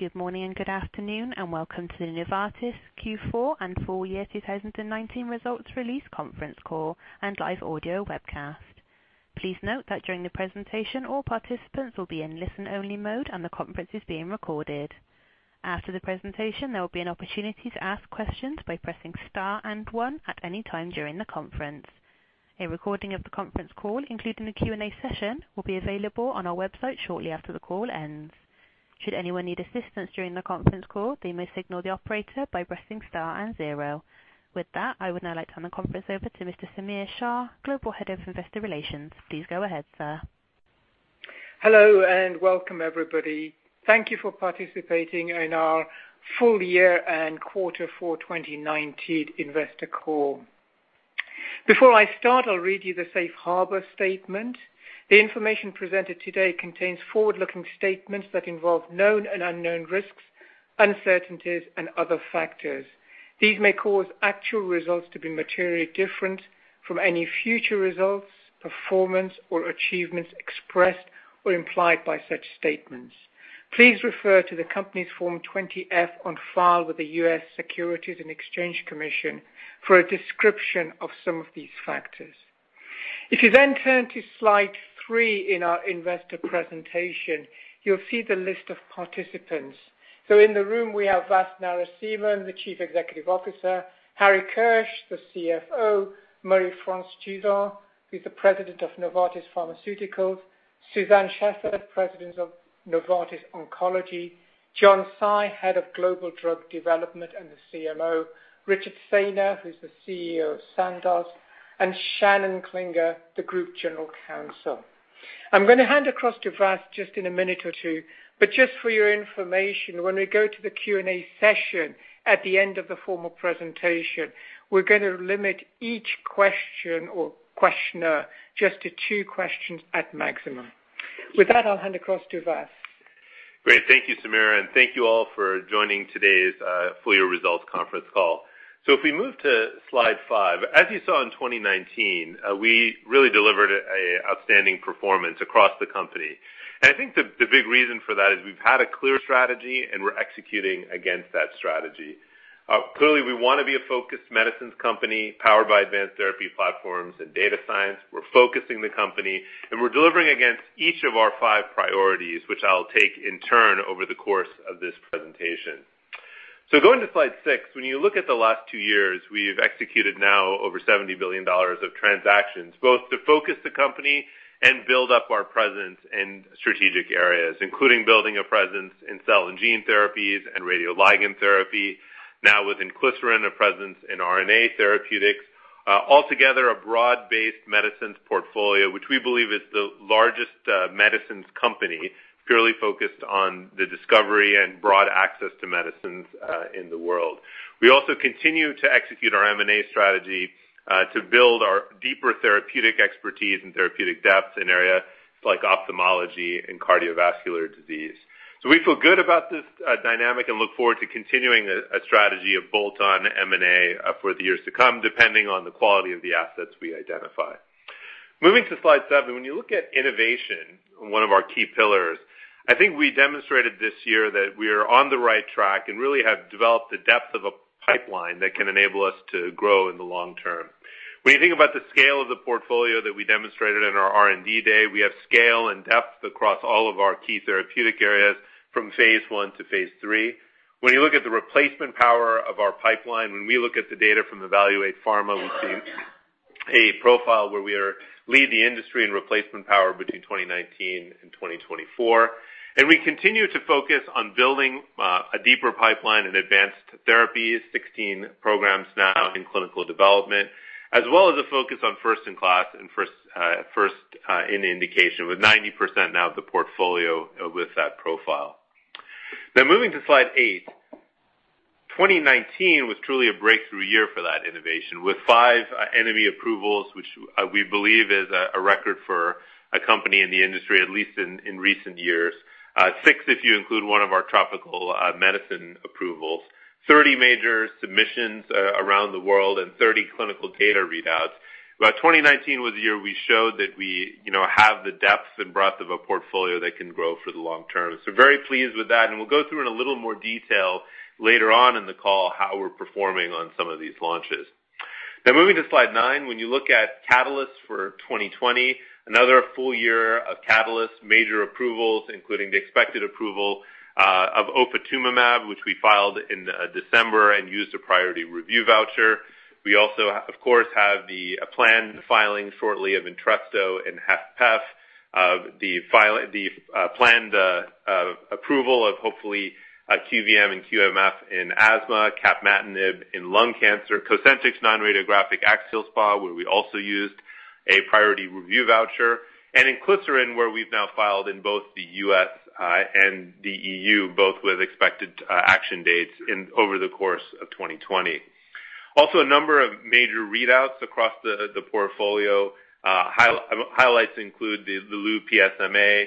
Good morning and good afternoon, and Welcome to the Novartis Q4 and Full Year 2019 Results Release Conference Call and Live Audio Webcast. Please note that during the presentation, all participants will be in listen-only mode and the conference is being recorded. After the presentation, there will be an opportunity to ask questions by pressing star and one at any time during the conference. A recording of the conference call, including the Q&A session, will be available on our website shortly after the call ends. Should anyone need assistance during the conference call, they may signal the operator by pressing star and zero. With that, I would now like to turn the conference over to Mr. Samir Shah, Global Head of Investor Relations. Please go ahead, sir. Hello and welcome, everybody. Thank you for participating in our Full Year and Quarter four 2019 Investor Call. Before I start, I'll read you the Safe Harbor Statement. The information presented today contains forward-looking statements that involve known and unknown risks, uncertainties, and other factors. These may cause actual results to be materially different from any future results, performance, or achievements expressed or implied by such statements. Please refer to the company's Form 20-F on file with the U.S. Securities and Exchange Commission for a description of some of these factors. If you then turn to Slide three in our investor presentation, you'll see the list of participants. So in the room, we have Vas Narasimhan, the Chief Executive Officer, Harry Kirsch, the CFO, Marie-France Tschudin, who's the President of Novartis Pharmaceuticals, Susanne Schaffert, President of Novartis Oncology, John Tsai, Head of Global Drug Development and the CMO, Richard Saynor, who's the CEO of Sandoz, and Shannon Klinger, the Group General Counsel. I'm going to hand across to Vas just in a minute or two. Just for your information, when we go to the Q&A session at the end of the formal presentation, we're going to limit each question or questioner just to two questions at maximum. With that, I'll hand across to Vas. Great. Thank you, Samir, and thank you all for joining today's full year results conference call. If we move to slide five. As you saw in 2019, we really delivered an outstanding performance across the company. I think the big reason for that is we've had a clear strategy and we're executing against that strategy. Clearly, we want to be a focused medicines company powered by advanced therapy platforms and data science. We're focusing the company, and we're delivering against each of our five priorities, which I'll take in turn over the course of this presentation. Going to Slide six. When you look at the last two years, we've executed now over $70 billion of transactions, both to focus the company and build up our presence in strategic areas, including building a presence in cell and gene therapies and radioligand therapy. Now with inclisiran, a presence in RNA therapeutics. A broad-based medicines portfolio, which we believe is the largest medicines company purely focused on the discovery and broad access to medicines in the world. We also continue to execute our M&A strategy to build our deeper therapeutic expertise and therapeutic depth in areas like ophthalmology and cardiovascular disease. We feel good about this dynamic and look forward to continuing a strategy of bolt-on M&A for the years to come, depending on the quality of the assets we identify. Moving to slide seven. When you look at innovation, one of our key pillars, I think we demonstrated this year that we are on the right track and really have developed the depth of a pipeline that can enable us to grow in the long term. When you think about the scale of the portfolio that we demonstrated on our R&D day, we have scale and depth across all of our key therapeutic areas from phase I to phase III. When you look at the replacement power of our pipeline, when we look at the data from Evaluate Pharma, we see a profile where we lead the industry in replacement power between 2019 and 2024. We continue to focus on building a deeper pipeline in advanced therapies, 16 programs now in clinical development. As well as a focus on first in class and first in indication with 90% now of the portfolio with that profile. Now moving to slide eight. 2019 was truly a breakthrough year for that innovation with five NME approvals, which we believe is a record for a company in the industry, at least in recent years. Six, if you include one of our tropical medicine approvals. 30 major submissions around the world and 30 clinical data readouts. 2019 was the year we showed that we have the depth and breadth of a portfolio that can grow for the long term. So, very pleased with that, and we'll go through in a little more detail later on in the call how we're performing on some of these launches. Moving to slide nine. When you look at catalysts for 2020, another full year of catalysts, major approvals, including the expected approval of ofatumumab, which we filed in December and used a priority review voucher. We also, of course, have the planned filing shortly of Entresto in HFpEF, of the planned approval of hopefully QVM and QMF in asthma, capmatinib in lung cancer, Cosentyx non-radiographic axial SpA, where we also used a priority review voucher, and inclisiran where we've now filed in both the U.S. and the EU, both with expected action dates over the course of 2020. A number of major readouts across the portfolio. Highlights include the LuPSMA,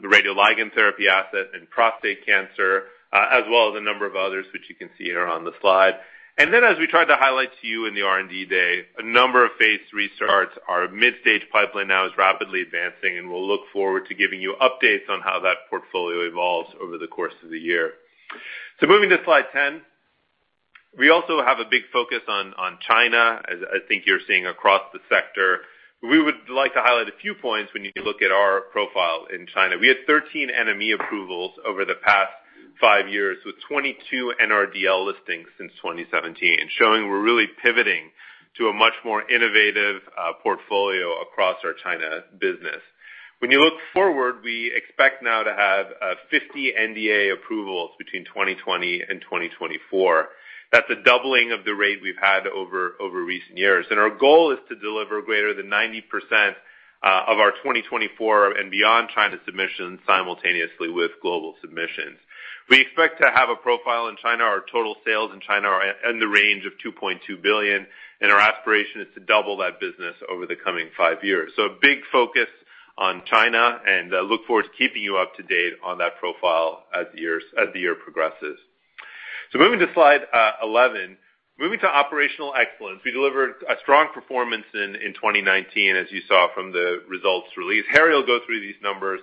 the radioligand therapy asset in prostate cancer, as well as a number of others which you can see here on the slide. As we tried to highlight to you in the R&D day, a number of phase III starts. Our mid-stage pipeline now is rapidly advancing, and we'll look forward to giving you updates on how that portfolio evolves over the course of the year. Moving to Slide 10. We also have a big focus on China, as I think you're seeing across the sector. We would like to highlight a few points when you look at our profile in China. We had 13 NME approvals over the past five years, with 22 NRDL listings since 2017, showing we're really pivoting to a much more innovative portfolio across our China business. When you look forward, we expect now to have 50 NDA approvals between 2020 and 2024. That's a doubling of the rate we've had over recent years. Our goal is to deliver greater than 90% of our 2024 and beyond China submissions simultaneously with global submissions. We expect to have a profile in China. Our total sales in China are in the range of $2.2 billion, and our aspiration is to double that business over the coming five years. A big focus on China, and I look forward to keeping you up to date on that profile as the year progresses. Moving to slide 11. Moving to operational excellence, we delivered a strong performance in 2019, as you saw from the results release. Harry will go through these numbers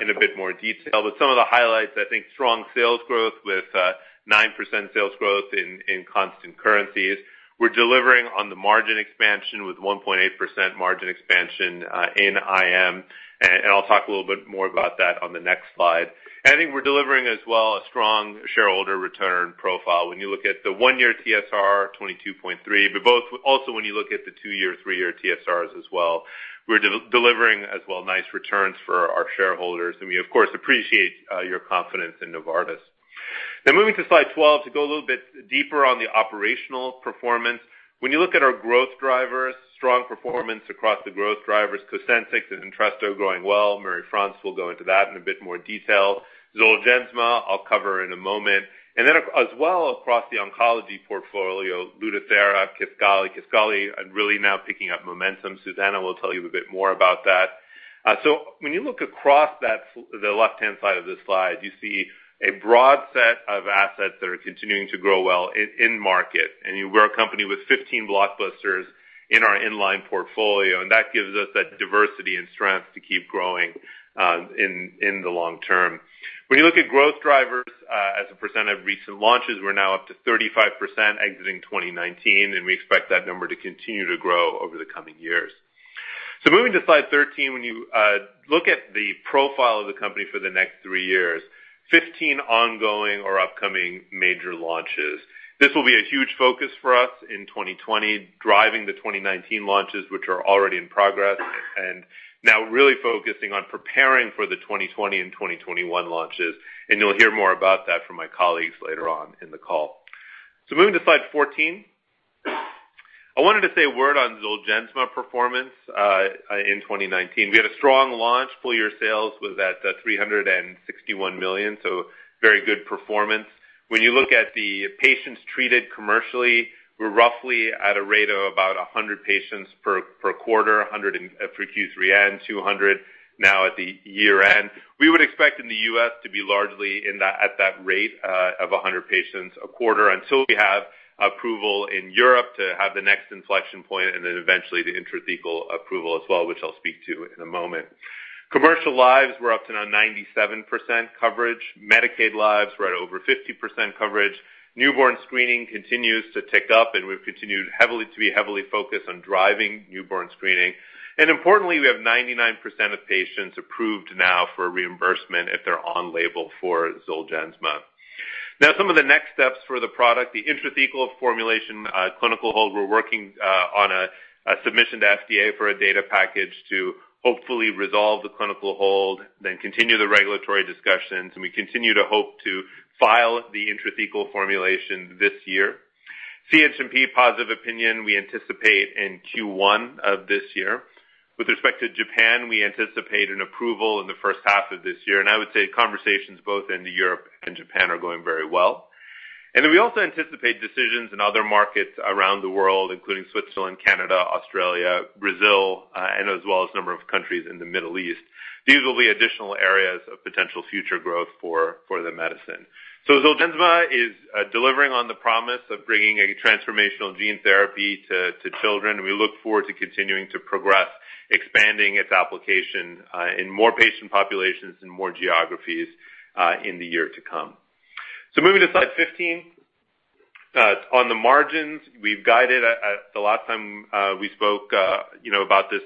in a bit more detail, but some of the highlights, I think strong sales growth with 9% sales growth in constant currencies. We're delivering on the margin expansion with 1.8% margin expansion in IM, and I'll talk a little bit more about that on the next slide. I think we're delivering as well a strong shareholder return profile. When you look at the one-year TSR, 22.3%, but both also when you look at the two-year, three-year TSRs as well. We're delivering as well nice returns for our shareholders, and we of course appreciate your confidence in Novartis. And moving to slide 12 to go a little bit deeper on the operational performance. When you look at our growth drivers, strong performance across the growth drivers, Cosentyx and Entresto growing well. Marie-France will go into that in a bit more detail. Zolgensma, I'll cover in a moment. As well across the oncology portfolio, Lutathera, Kisqali. Kisqali really now picking up momentum. Susanne will tell you a bit more about that. When you look across the left-hand side of this slide, you see a broad set of assets that are continuing to grow well in market. We're a company with 15 blockbusters in our in-line portfolio, and that gives us that diversity and strength to keep growing in the long term. When you look at growth drivers as a % of recent launches, we're now up to 35% exiting 2019, and we expect that number to continue to grow over the coming years. Moving to slide 13. When you look at the profile of the company for the next three years, 15 ongoing or upcoming major launches. This will be a huge focus for us in 2020, driving the 2019 launches, which are already in progress, and now really focusing on preparing for the 2020 and 2021 launches. You'll hear more about that from my colleagues later on in the call. Moving to slide 14. I wanted to say a word on Zolgensma performance in 2019. We had a strong launch. Full year sales was at 361 million. Very good performance. When you look at the patients treated commercially, we're roughly at a rate of about 100 patients per quarter, 100 for Q3 end, 200 now at the year-end. We would expect in the U.S. to be largely at that rate of 100 patients a quarter until we have approval in Europe to have the next inflection point, then eventually the intrathecal approval as well, which I'll speak to in a moment. Commercial lives, we're up to now 97% coverage. Medicaid lives, we're at over 50% coverage. Newborn screening continues to tick up, and we've continued to be heavily focused on driving newborn screening. Importantly, we have 99% of patients approved now for reimbursement if they're on label for Zolgensma. Now some of the next steps for the product, the intrathecal formulation clinical hold. We're working on a submission to FDA for a data package to hopefully resolve the clinical hold, then continue the regulatory discussions, and we continue to hope to file the intrathecal formulation this year. CHMP positive opinion, we anticipate in Q1 of this year. With respect to Japan, we anticipate an approval in the first half of this year. I would say conversations both in Europe and Japan are going very well. Then we also anticipate decisions in other markets around the world, including Switzerland, Canada, Australia, Brazil, and as well as a number of countries in the Middle East. These will be additional areas of potential future growth for the medicine. Zolgensma is delivering on the promise of bringing a transformational gene therapy to children, and we look forward to continuing to progress, expanding its application in more patient populations and more geographies in the year to come. Moving to slide 15. On the margins, we've guided the last time we spoke about this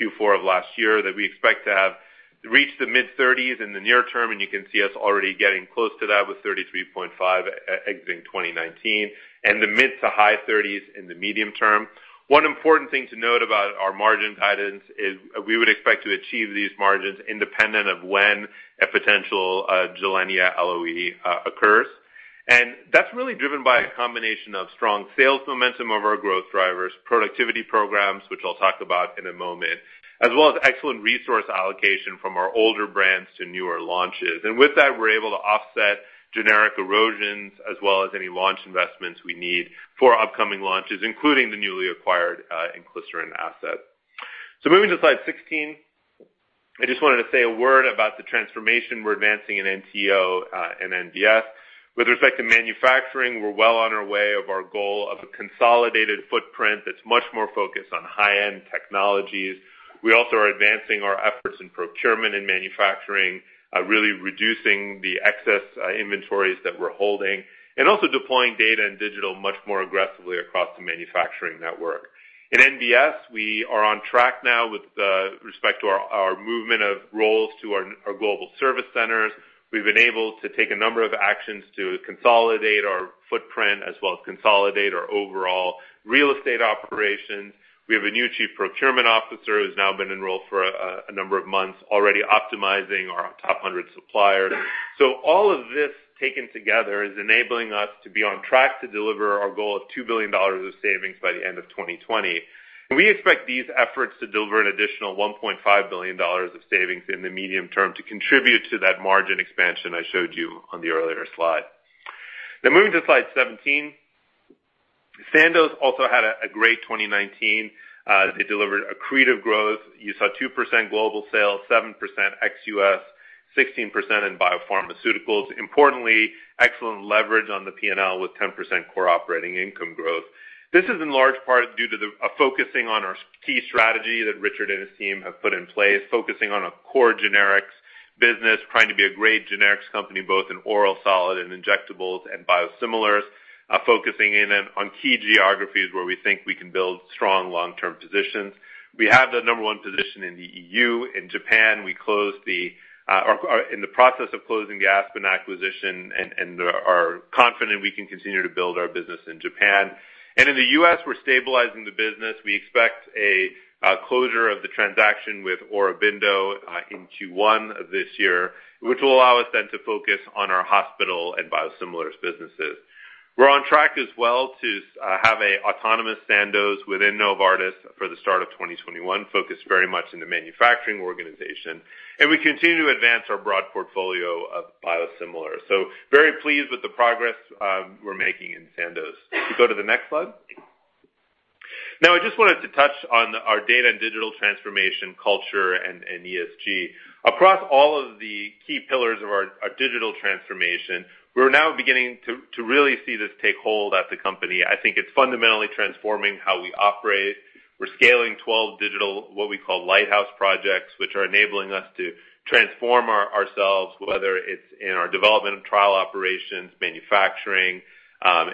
Q4 of last year that we expect to have reached the mid-30% in the near term, and you can see us already getting close to that with 33.5% exiting 2019, and the mid to high 30% in the medium term. One important thing to note about our margin guidance is we would expect to achieve these margins independent of when a potential Gilenya LOE occurs. That's really driven by a combination of strong sales momentum of our growth drivers, productivity programs, which I'll talk about in a moment, as well as excellent resource allocation from our older brands to newer launches. With that, we're able to offset generic erosions as well as any launch investments we need for upcoming launches, including the newly acquired inclisiran asset. Moving to slide 16. I just wanted to say a word about the transformation we're advancing in NTO and NBS. With respect to manufacturing, we're well on our way of our goal of a consolidated footprint that's much more focused on high-end technologies. We also are advancing our efforts in procurement and manufacturing, really reducing the excess inventories that we're holding, and also deploying data and digital much more aggressively across the manufacturing network. In NBS, we are on track now with respect to our movement of roles to our global service centers. We've been able to take a number of actions to consolidate our footprint as well as consolidate our overall real estate operations. We have a new Chief Procurement Officer, who's now been enrolled for a number of months, already optimizing our top 100 suppliers. All of this taken together is enabling us to be on track to deliver our goal of CHF 2 billion of savings by the end of 2020. We expect these efforts to deliver an additional CHF 1.5 billion of savings in the medium term to contribute to that margin expansion I showed you on the earlier slide. Moving to slide 17. Sandoz also had a great 2019. It delivered accretive growth. You saw 2% global sales, 7% ex-U.S., 16% in biopharmaceuticals. Importantly, excellent leverage on the P&L with 10% core operating income growth. This is in large part due to the focusing on our key strategy that Richard and his team have put in place, focusing on a core generics business, trying to be a great generics company, both in oral solid and injectables and biosimilars, focusing in on key geographies where we think we can build strong long-term positions. We have the number one position in the EU. In Japan, we are in the process of closing the Aspen acquisition and are confident we can continue to build our business in Japan. In the U.S., we're stabilizing the business. We expect a closure of the transaction with Aurobindo in Q1 of this year, which will allow us then to focus on our hospital and biosimilars businesses. We're on track as well to have an autonomous Sandoz within Novartis for the start of 2021, focused very much in the manufacturing organization. We continue to advance our broad portfolio of biosimilars. Very pleased with the progress we're making in Sandoz. If you go to the next slide. Now, I just wanted to touch on our data and digital transformation culture and ESG. Across all of the key pillars of our digital transformation, we're now beginning to really see this take hold at the company. I think it's fundamentally transforming how we operate. We're scaling 12 digital, what we call lighthouse projects, which are enabling us to transform ourselves, whether it's in our development of trial operations, manufacturing,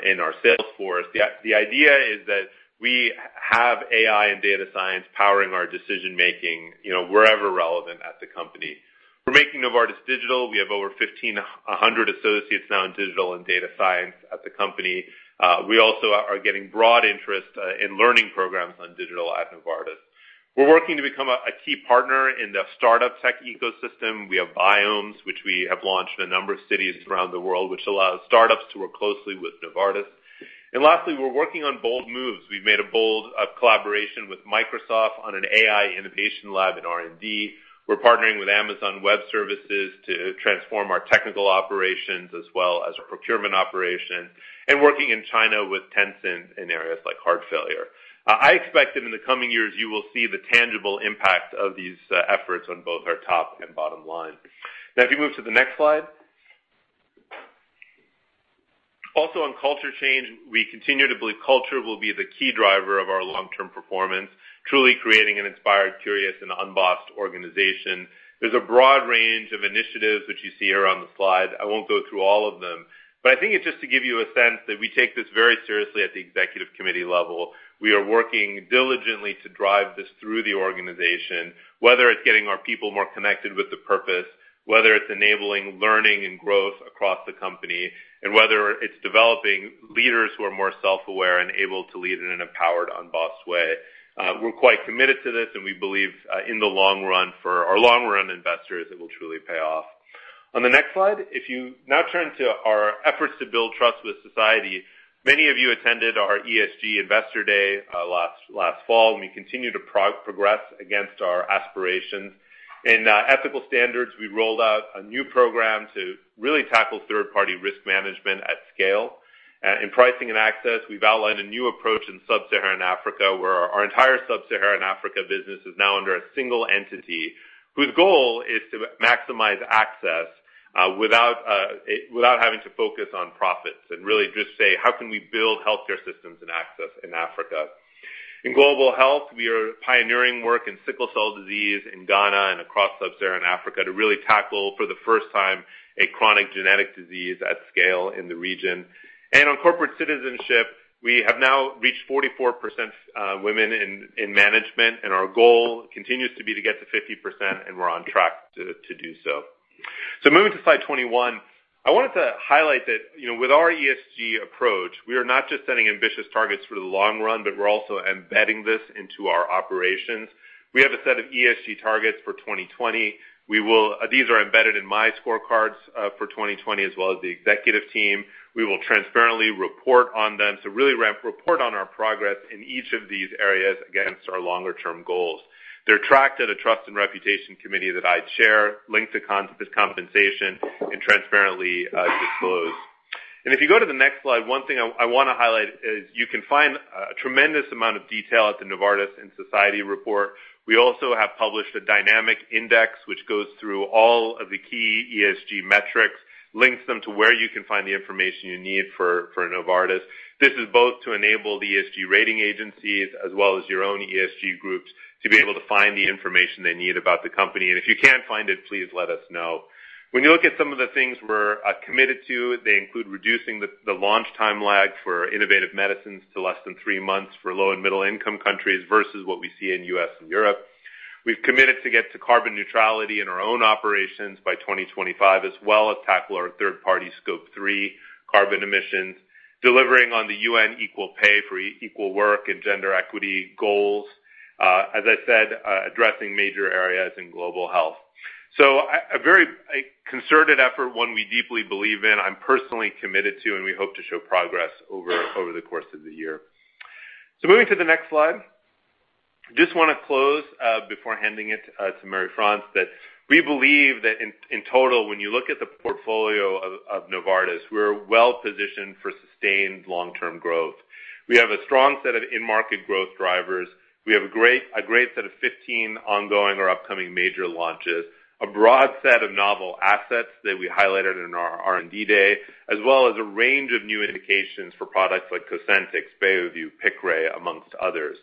in our sales force. The idea is that we have AI and data science powering our decision-making wherever relevant at the company. We're making Novartis digital. We have over 1,500 associates now in digital and data science at the company. We also are getting broad interest in learning programs on digital at Novartis. We're working to become a key partner in the startup tech ecosystem. We have Biomes, which we have launched in a number of cities around the world, which allows startups to work closely with Novartis. Lastly, we're working on bold moves. We've made a bold collaboration with Microsoft on an AI innovation lab in R&D. We're partnering with Amazon Web Services to transform our technical operations as well as our procurement operations and working in China with Tencent in areas like heart failure. I expect that in the coming years, you will see the tangible impact of these efforts on both our top and bottom line. If you move to the next slide. On culture change, we continue to believe culture will be the key driver of our long-term performance, truly creating an inspired, curious, and unbossed organization. There's a broad range of initiatives which you see here on the slide. I won't go through all of them. I think it's just to give you a sense that we take this very seriously at the Executive Committee level. We are working diligently to drive this through the organization, whether it's getting our people more connected with the purpose, whether it's enabling learning and growth across the company, and whether it's developing leaders who are more self-aware and able to lead in an empowered, unbossed way. We're quite committed to this. We believe in the long run for our long-run investors, it will truly pay off. On the next slide, if you now turn to our efforts to build trust with society, many of you attended our ESG Investor Day last fall. We continue to progress against our aspirations. In ethical standards, we rolled out a new program to really tackle third-party risk management at scale. In pricing and access, we've outlined a new approach in Sub-Saharan Africa, where our entire Sub-Saharan Africa business is now under a single entity, whose goal is to maximize access without having to focus on profits and really just say, how can we build healthcare systems and access in Africa? In global health, we are pioneering work in sickle cell disease in Ghana and across Sub-Saharan Africa to really tackle for the first time a chronic genetic disease at scale in the region. On corporate citizenship, we have now reached 44% women in management, and our goal continues to be to get to 50%, and we're on track to do so. Moving to slide 21, I wanted to highlight that with our ESG approach, we are not just setting ambitious targets for the long run, but we're also embedding this into our operations. We have a set of ESG targets for 2020. These are embedded in my scorecards for 2020 as well as the executive team. We will transparently report on them to really report on our progress in each of these areas against our longer-term goals. They're tracked at a trust and reputation committee that I chair, linked to compensation, and transparently disclosed. If you go to the next slide, one thing I want to highlight is you can find a tremendous amount of detail at the Novartis In Society report. We also have published a dynamic index which goes through all of the key ESG metrics, links them to where you can find the information you need for Novartis. This is both to enable the ESG rating agencies, as well as your own ESG groups to be able to find the information they need about the company. If you can't find it, please let us know. When you look at some of the things we're committed to, they include reducing the launch time lag for innovative medicines to less than three months for low and middle-income countries versus what we see in U.S. and Europe. We've committed to get to carbon neutrality in our own operations by 2025, as well as tackle our third-party, Scope 3 carbon emissions, delivering on the UN equal pay for equal work and gender equity goals. As I said, addressing major areas in global health. A very concerted effort, one we deeply believe in. I'm personally committed to, we hope to show progress over the course of the year. Moving to the next slide. Just want to close before handing it to Marie-France, that we believe that in total, when you look at the portfolio of Novartis, we're well-positioned for sustained long-term growth. We have a strong set of in-market growth drivers. We have a great set of 15 ongoing or upcoming major launches, a broad set of novel assets that we highlighted in our R&D Day, as well as a range of new indications for products like Cosentyx, Beovu, Piqray, amongst others.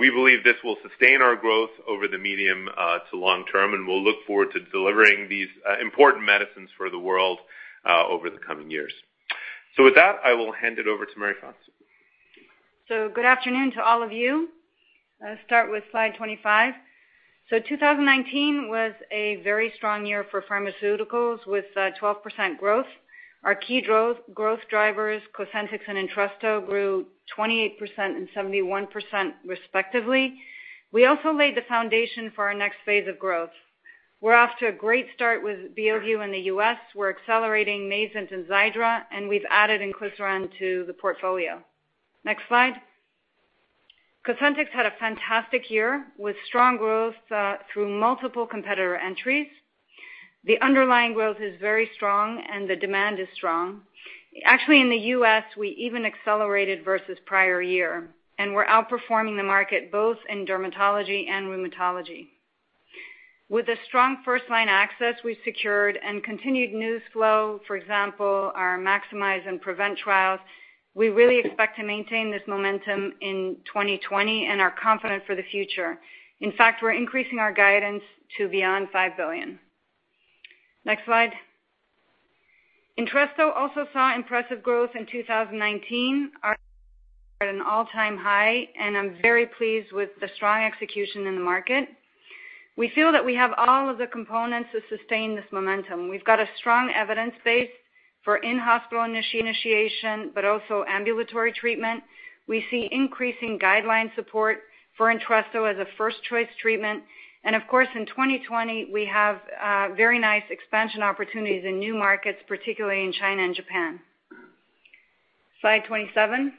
We believe this will sustain our growth over the medium to long term, and we'll look forward to delivering these important medicines for the world over the coming years. With that, I will hand it over to Marie-France. Good afternoon to all of you. I'll start with slide 25. 2019 was a very strong year for pharmaceuticals with 12% growth. Our key growth drivers, Cosentyx and Entresto, grew 28% and 71% respectively. We also laid the foundation for our next phase of growth. We're off to a great start with Beovu in the U.S. We're accelerating Mayzent and Xiidra, and we've added inclisiran to the portfolio. Next slide. Cosentyx had a fantastic year, with strong growth through multiple competitor entries. The underlying growth is very strong and the demand is strong. Actually, in the U.S., we even accelerated versus prior year, and we're outperforming the market both in dermatology and rheumatology. With the strong first-line access we secured and continued news flow, for example, our MAXIMISE and PREVENT trials, we really expect to maintain this momentum in 2020 and are confident for the future. In fact, we're increasing our guidance to beyond 5 billion. Next slide. Entresto also saw impressive growth in 2019 at an all-time high, and I'm very pleased with the strong execution in the market. We feel that we have all of the components to sustain this momentum. We've got a strong evidence base for in-hospital initiation, but also ambulatory treatment. We see increasing guideline support for Entresto as a first-choice treatment. Of course, in 2020, we have very nice expansion opportunities in new markets, particularly in China and Japan. Slide 27--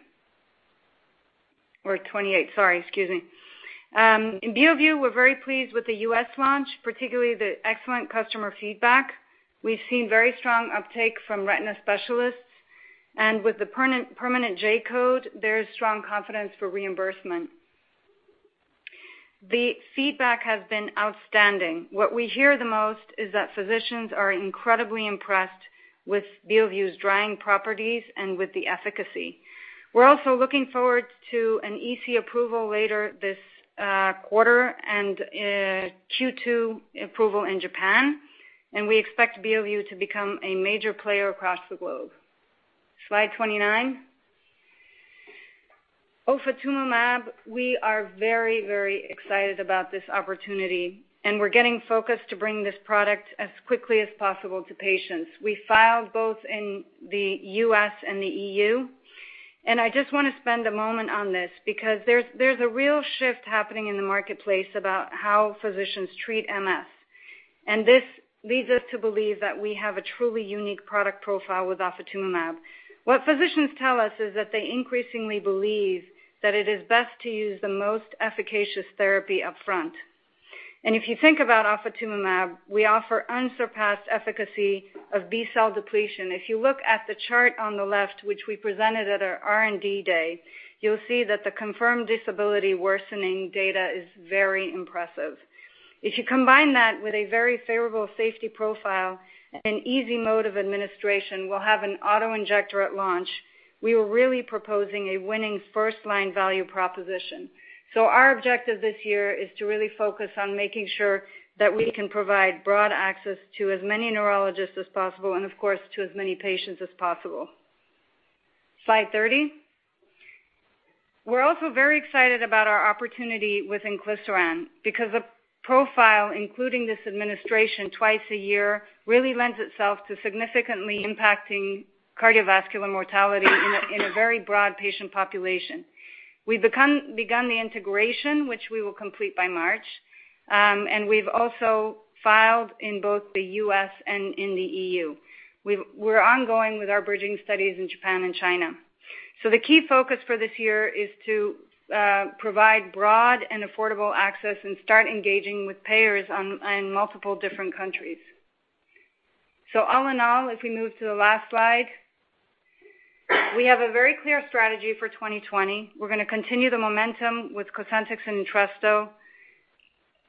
or 28, sorry, excuse me. In Beovu, we're very pleased with the U.S. launch, particularly the excellent customer feedback. We've seen very strong uptake from retina specialists. With the permanent J-code, there is strong confidence for reimbursement. The feedback has been outstanding. What we hear the most is that physicians are incredibly impressed with Beovu's drying properties and with the efficacy. We're also looking forward to an EC approval later this quarter and a Q2 approval in Japan. We expect Beovu to become a major player across the globe. Slide 29. Ofatumumab, we are very excited about this opportunity. We're getting focused to bring this product as quickly as possible to patients. We filed both in the U.S. and the EU. I just want to spend a moment on this because there's a real shift happening in the marketplace about how physicians treat MS. This leads us to believe that we have a truly unique product profile with ofatumumab. What physicians tell us is that they increasingly believe that it is best to use the most efficacious therapy up front. If you think about ofatumumab, we offer unsurpassed efficacy of B-cell depletion. If you look at the chart on the left, which we presented at our R&D Day, you'll see that the confirmed disability worsening data is very impressive. If you combine that with a very favorable safety profile and easy mode of administration, we'll have an auto-injector at launch, we are really proposing a winning first-line value proposition. Our objective this year is to really focus on making sure that we can provide broad access to as many neurologists as possible and of course, to as many patients as possible. Slide 30. We're also very excited about our opportunity with inclisiran because the profile, including this administration twice a year, really lends itself to significantly impacting cardiovascular mortality in a very broad patient population. We've begun the integration, which we will complete by March. We've also filed in both the U.S. and in the EU. We're ongoing with our bridging studies in Japan and China. The key focus for this year is to provide broad and affordable access and start engaging with payers in multiple different countries. All in all, if we move to the last slide, we have a very clear strategy for 2020. We're going to continue the momentum with Cosentyx and Entresto,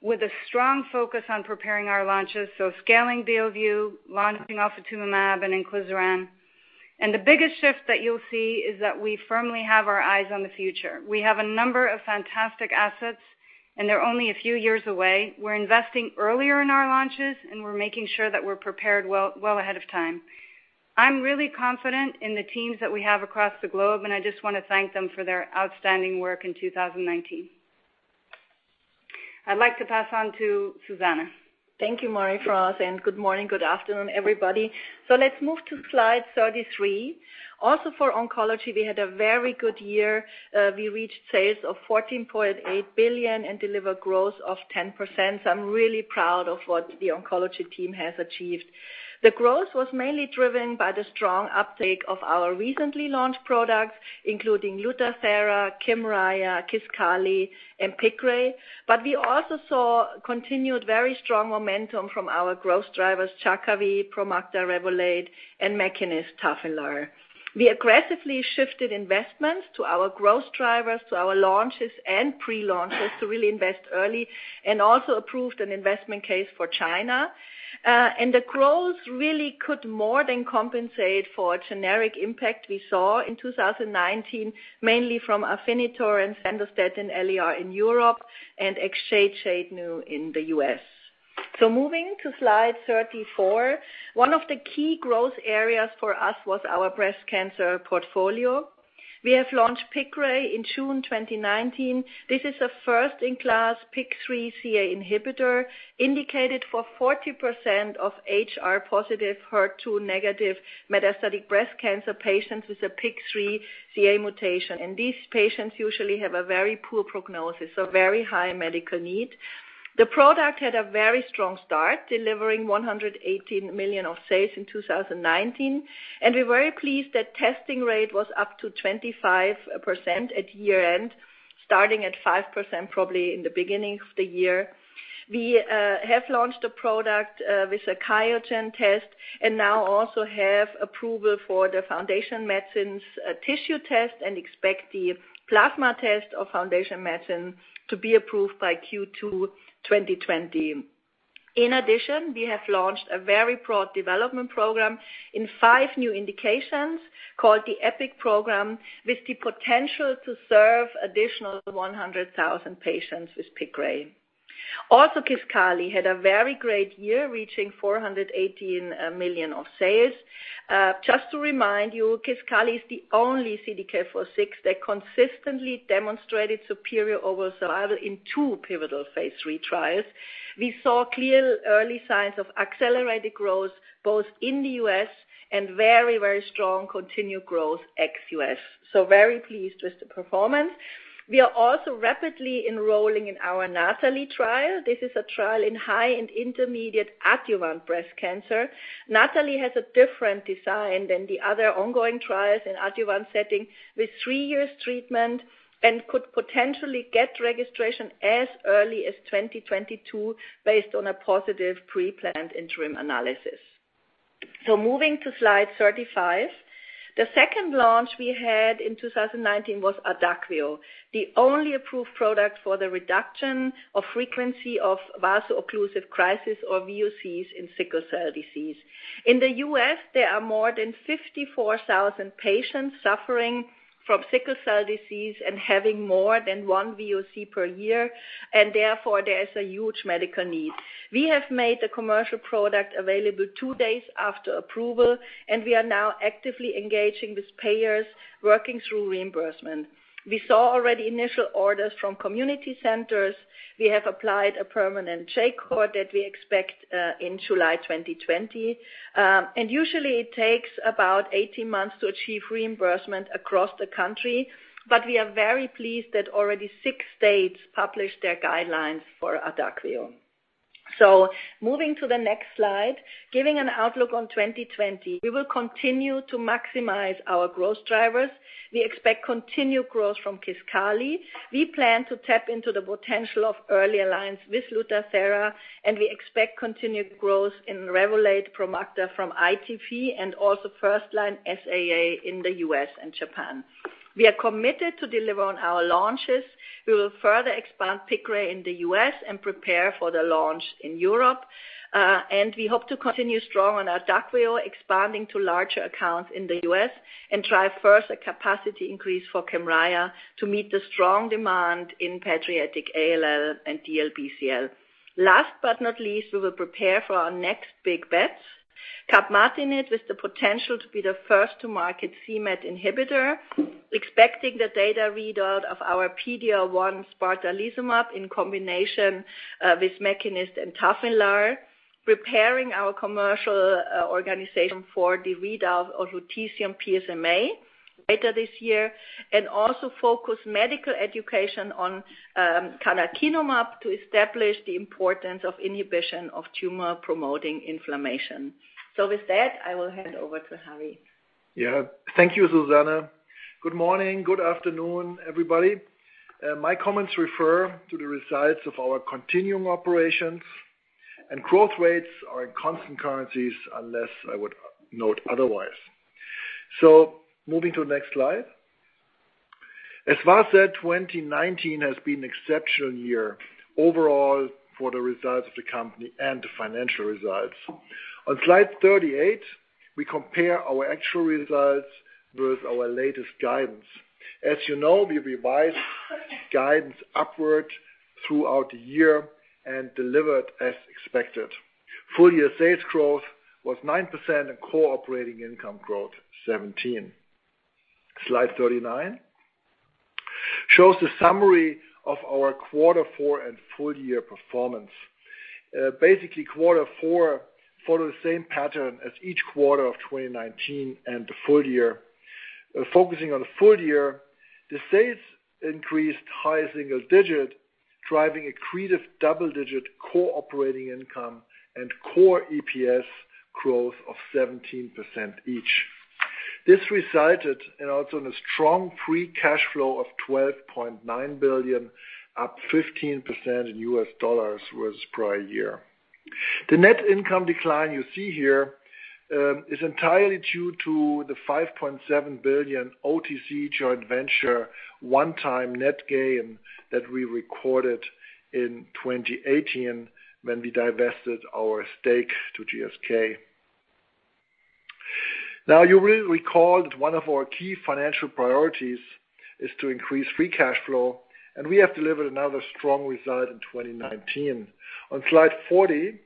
with a strong focus on preparing our launches. Scaling Beovu, launching ofatumumab and inclisiran. The biggest shift that you'll see is that we firmly have our eyes on the future. We have a number of fantastic assets. They're only a few years away. We're investing earlier in our launches. We're making sure that we're prepared well ahead of time. I'm really confident in the teams that we have across the globe, and I just want to thank them for their outstanding work in 2019. I'd like to pass on to Susanne. Thank you, Marie-France. Good morning, good afternoon, everybody. Let's move to slide 33. Also for oncology, we had a very good year. We reached sales of $14.8 billion and delivered growth of 10%. I'm really proud of what the oncology team has achieved. The growth was mainly driven by the strong uptake of our recently launched products, including Lutathera, Kymriah, Kisqali, and Piqray. We also saw continued very strong momentum from our growth drivers, Jakavi, Promacta, Revolade, and Mekinist, Tafinlar. We aggressively shifted investments to our growth drivers, to our launches and pre-launches to really invest early, and also approved an investment case for China. The growth really could more than compensate for generic impact we saw in 2019, mainly from Afinitor Sandostatin LAR in Europe and XGEVA in the U.S. So, moving to slide 34. One of the key growth areas for us was our breast cancer portfolio. We have launched Piqray in June 2019. This is a first-in-class PIK3CA inhibitor indicated for 40% of HR-positive, HER2 negative metastatic breast cancer patients with a PIK3CA mutation. These patients usually have a very poor prognosis, so very high medical need. The product had a very strong start, delivering $118 million of sales in 2019, and we're very pleased that testing rate was up to 25% at year-end, starting at 5% probably in the beginning of the year. We have launched a product with a QIAGEN test and now also have approval for the Foundation Medicine tissue test and expect the plasma test of Foundation Medicine to be approved by Q2 2020. In addition, we have launched a very broad development program in five new indications called the EPIC program, with the potential to serve additional 100,000 patients with Piqray. Also, Kisqali had a very great year, reaching $418 million of sales. Just to remind you, Kisqali is the only CDK4/6 that consistently demonstrated superior overall survival in two pivotal phase III trials. We saw clear early signs of accelerated growth both in the U.S. and very strong continued growth ex-U.S. Very pleased with the performance. We are also rapidly enrolling in our NATALEE trial. This is a trial in high and intermediate adjuvant breast cancer. NATALEE has a different design than the other ongoing trials in adjuvant setting with three years treatment and could potentially get registration as early as 2022 based on a positive pre-planned interim analysis. Moving to slide 35. The second launch we had in 2019 was Adakveo, the only approved product for the reduction of frequency of vaso-occlusive crisis or VOCs in sickle cell disease. In the U.S., there are more than 54,000 patients suffering from sickle cell disease and having more than one VOC per year. Therefore there is a huge medical need. We have made the commercial product available two days after approval. We are now actively engaging with payers working through reimbursement. We saw already initial orders from community centers. We have applied a permanent J code that we expect in July 2020. Usually it takes about 18 months to achieve reimbursement across the country. We are very pleased that already six states published their guidelines for Adakveo. Moving to the next slide. Giving an outlook on 2020, we will continue to maximize our growth drivers. We expect continued growth from Kisqali. We plan to tap into the potential of early alliance with Lutathera. We expect continued growth in Revolade/Promacta from ITP and also first line SAA in the U.S. and Japan. We are committed to deliver on our launches. We will further expand Piqray in the U.S. and prepare for the launch in Europe. We hope to continue strong on Adakveo, expanding to larger accounts in the U.S., and drive further capacity increase for Kymriah to meet the strong demand in pediatric ALL and DLBCL. Last but not least, we will prepare for our next big bets. Capmatinib with the potential to be the first to market c-MET inhibitor, expecting the data readout of our PD-L1 spartalizumab in combination with Mekinist and Tafinlar, preparing our commercial organization for the readout of lutetium PSMA later this year. Also focus medical education on canakinumab to establish the importance of inhibition of tumor-promoting inflammation. With that, I will hand over to Harry. Yeah. Thank you, Susanne. Good morning. Good afternoon, everybody. My comments refer to the results of our continuing operations and growth rates are in constant currencies, unless I would note otherwise. Moving to the next slide. As Vas said, 2019 has been an exceptional year overall for the results of the company and the financial results. On slide 38, we compare our actual results with our latest guidance. As you know, we revised guidance upward throughout the year and delivered as expected. Full-year sales growth was 9% and core operating income growth 17%. Slide 39 shows the summary of our quarter four, and full-year performance. Basically, quarter four followed the same pattern as each quarter of 2019 and the full year. Focusing on the full year, the sales increased high single digit, driving accretive double-digit core operating income and core EPS growth of 17% each. This resulted in a strong free cash flow of $12.9 billion, up 15% in US dollars was prior year. The net income decline you see here is entirely due to the $5.7 billion OTC joint venture, one-time net gain that we recorded in 2018 when we divested our stake to GSK. You will recall that one of our key financial priorities is to increase free cash flow, and we have delivered another strong result in 2019. On slide 40,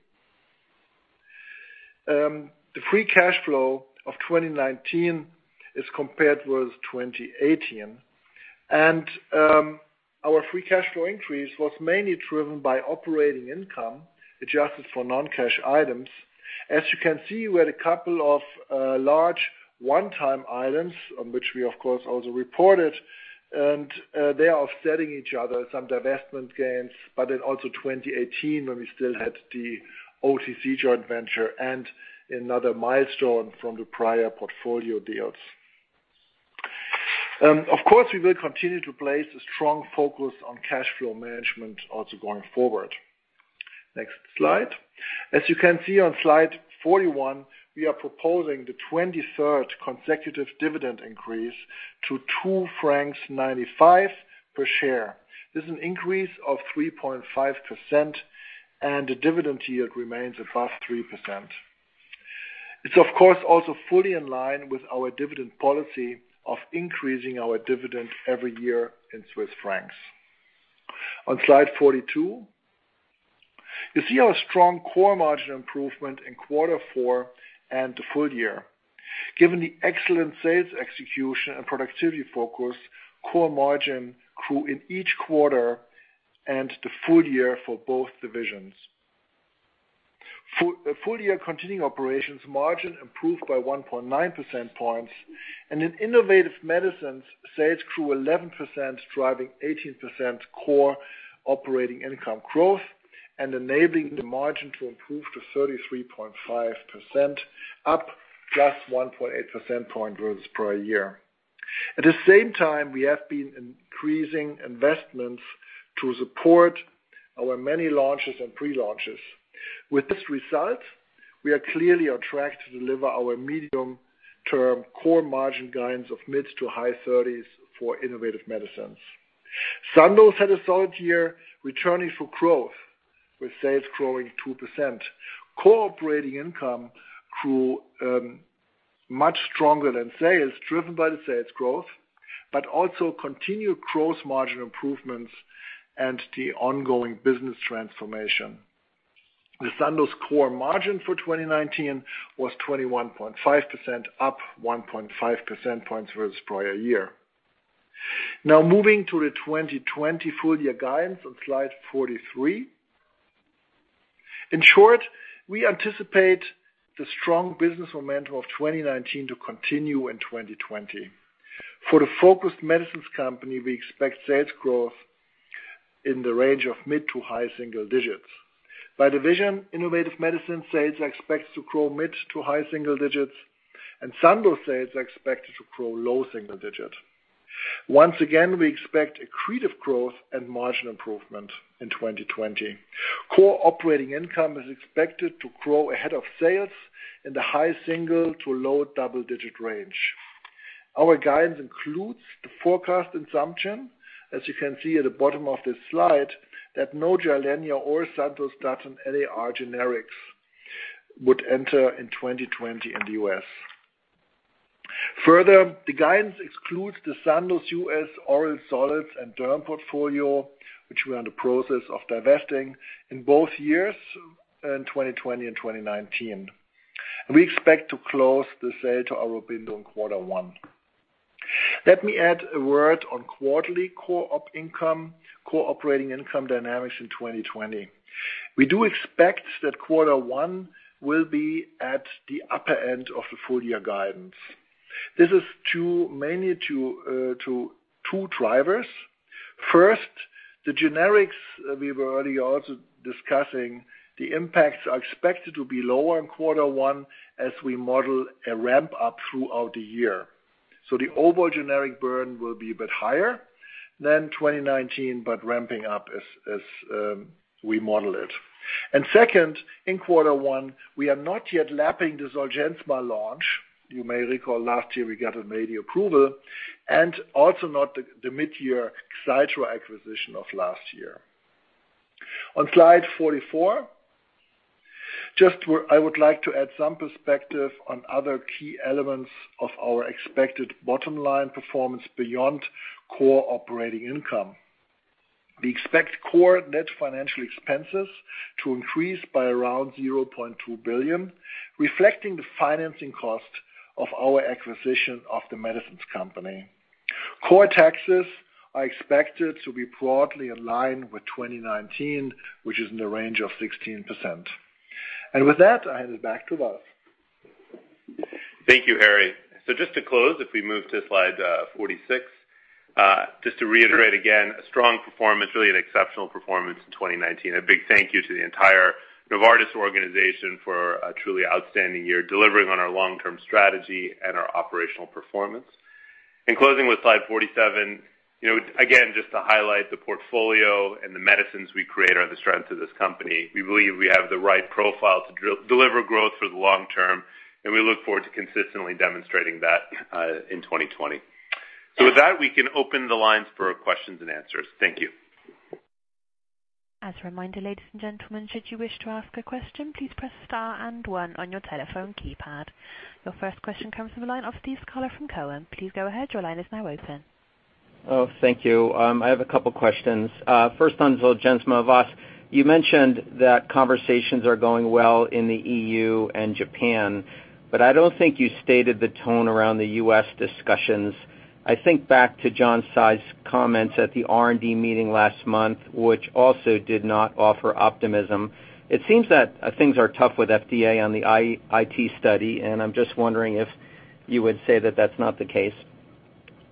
the free cash flow of 2019 is compared with 2018. Our free cash flow increase was mainly driven by operating income adjusted for non-cash items. As you can see, we had a couple of large one-time items, which we of course also reported, and they are offsetting each other, some divestment gains. Also 2018, when we still had the OTC joint venture and another milestone from the prior portfolio deals. We will continue to place a strong focus on cash flow management also going forward. Next slide. You can see on slide 41, we are proposing the 23rd consecutive dividend increase to 2.95 francs per share. This is an increase of 3.5%, and the dividend yield remains above 3%. It's of course, also fully in line with our dividend policy of increasing our dividend every year in Swiss francs. On slide 42, you see our strong core margin improvement in quarter four and the full year. Given the excellent sales execution and productivity focus, core margin grew in each quarter and the full year for both divisions. Full-year continuing operations margin improved by 1.9% points, and in Innovative Medicines, sales grew 11%, driving 18% core operating income growth and enabling the margin to improve to 33.5%, up just 1.8% points versus prior year. At the same time, we have been increasing investments to support our many launches and pre-launches. With this result, we are clearly on track to deliver our medium-term core margin guidance of mid to high 30s for Innovative Medicines. Sandoz had a solid year returning for growth with sales growing 2%. Core operating income grew much stronger than sales, driven by the sales growth, but also continued gross margin improvements and the ongoing business transformation. The Sandoz core margin for 2019 was 21.5%, up 1.5% points versus prior year. Now moving to the 2020 full-year guidance on slide 43. In short, we anticipate the strong business momentum of 2019 to continue in 2020. For the focused medicines company, we expect sales growth in the range of mid to high single digits. By division, innovative medicine sales are expected to grow mid to high single digits, Sandoz sales are expected to grow low single digits. Once again, we expect accretive growth and margin improvement in 2020. Core operating income is expected to grow ahead of sales in the high single to low double-digit range. Our guidance includes the forecast assumption, as you can see at the bottom of this slide, that no Gilenya LOE Sandostatin LAR generics would enter in 2020 in the U.S. Further, the guidance excludes the Sandoz U.S. oral solids and derm portfolio, which we are in the process of divesting in both years, in 2020 and 2019. We expect to close the sale to Aurobindo in quarter one. Let me add a word on quarterly core operating income dynamics in 2020. We do expect that quarter one will be at the upper end of the full-year guidance. This is mainly to two drivers. First, the generics we were already also discussing, the impacts are expected to be lower in quarter one as we model a ramp-up throughout the year. The overall generic burn will be a bit higher than 2019, but ramping up as we model it. Second, in quarter one, we are not yet lapping the Zolgensma launch. You may recall last year we got a major approval and also not the mid-year Xiidra acquisition of last year. On slide 44, just where I would like to add some perspective on other key elements of our expected bottom-line performance beyond core operating income. We expect core net financial expenses to increase by around $0.2 billion, reflecting the financing cost of our acquisition of The Medicines Company. Core taxes are expected to be broadly in line with 2019, which is in the range of 16%. With that, I hand it back to Vas. Thank you, Harry. Just to close, if we move to slide 46. Just to reiterate again, a strong performance, really an exceptional performance in 2019. A big thank you to the entire Novartis organization for a truly outstanding year delivering on our long-term strategy and our operational performance. In closing with slide 47, again, just to highlight the portfolio and the medicines we create are the strength of this company. We believe we have the right profile to deliver growth for the long term, and we look forward to consistently demonstrating that in 2020. With that, we can open the lines for questions and answers. Thank you. As a reminder, ladies and gentlemen, should you wish to ask a question, please press star and one on your telephone keypad. Your first question comes from the line of Steve Scala from Cowen. Please go ahead. Your line is now open. Oh, thank you. I have a couple questions. First on Zolgensma, Vas. You mentioned that conversations are going well in the EU and Japan, but I don't think you stated the tone around the U.S. discussions. I think back to John Tsai's comments at the R&D meeting last month, which also did not offer optimism. It seems that things are tough with FDA on the IT study, and I'm just wondering if you would say that that's not the case.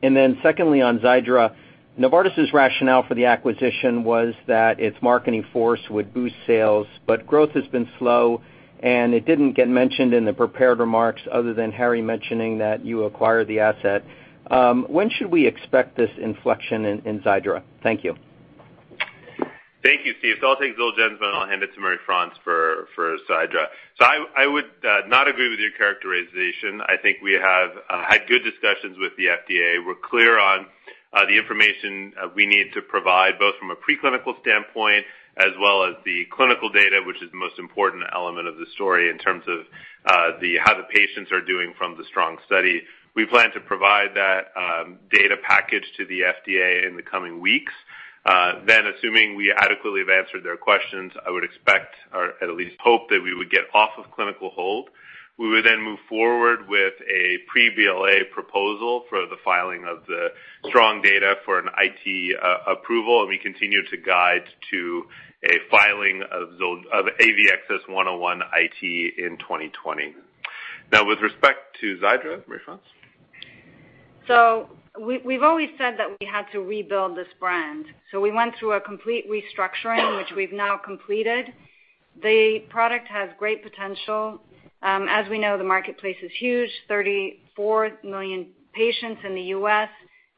Secondly, on Xiidra, Novartis's rationale for the acquisition was that its marketing force would boost sales, but growth has been slow, and it didn't get mentioned in the prepared remarks other than Harry mentioning that you acquired the asset. When should we expect this inflection in Xiidra? Thank you. Thank you, Steve. I'll take Zolgensma, and I'll hand it to Marie-France for Xiidra. I would not agree with your characterization. I think we have had good discussions with the FDA. We're clear on the information we need to provide, both from a preclinical standpoint as well as the clinical data, which is the most important element of the story in terms of how the patients are doing from the STRONG study. We plan to provide that data package to the FDA in the coming weeks. Assuming we adequately have answered their questions, I would expect or at least hope that we would get off of clinical hold. We would then move forward with a pre-BLA proposal for the filing of the STRONG data for an IT approval, and we continue to guide to a filing of AVXS-101 IT in 2020. With respect to Xiidra, Marie-France. So, we've always said that we had to rebuild this brand. We went through a complete restructuring, which we've now completed. The product has great potential. As we know, the marketplace is huge, 34 million patients in the U.S.,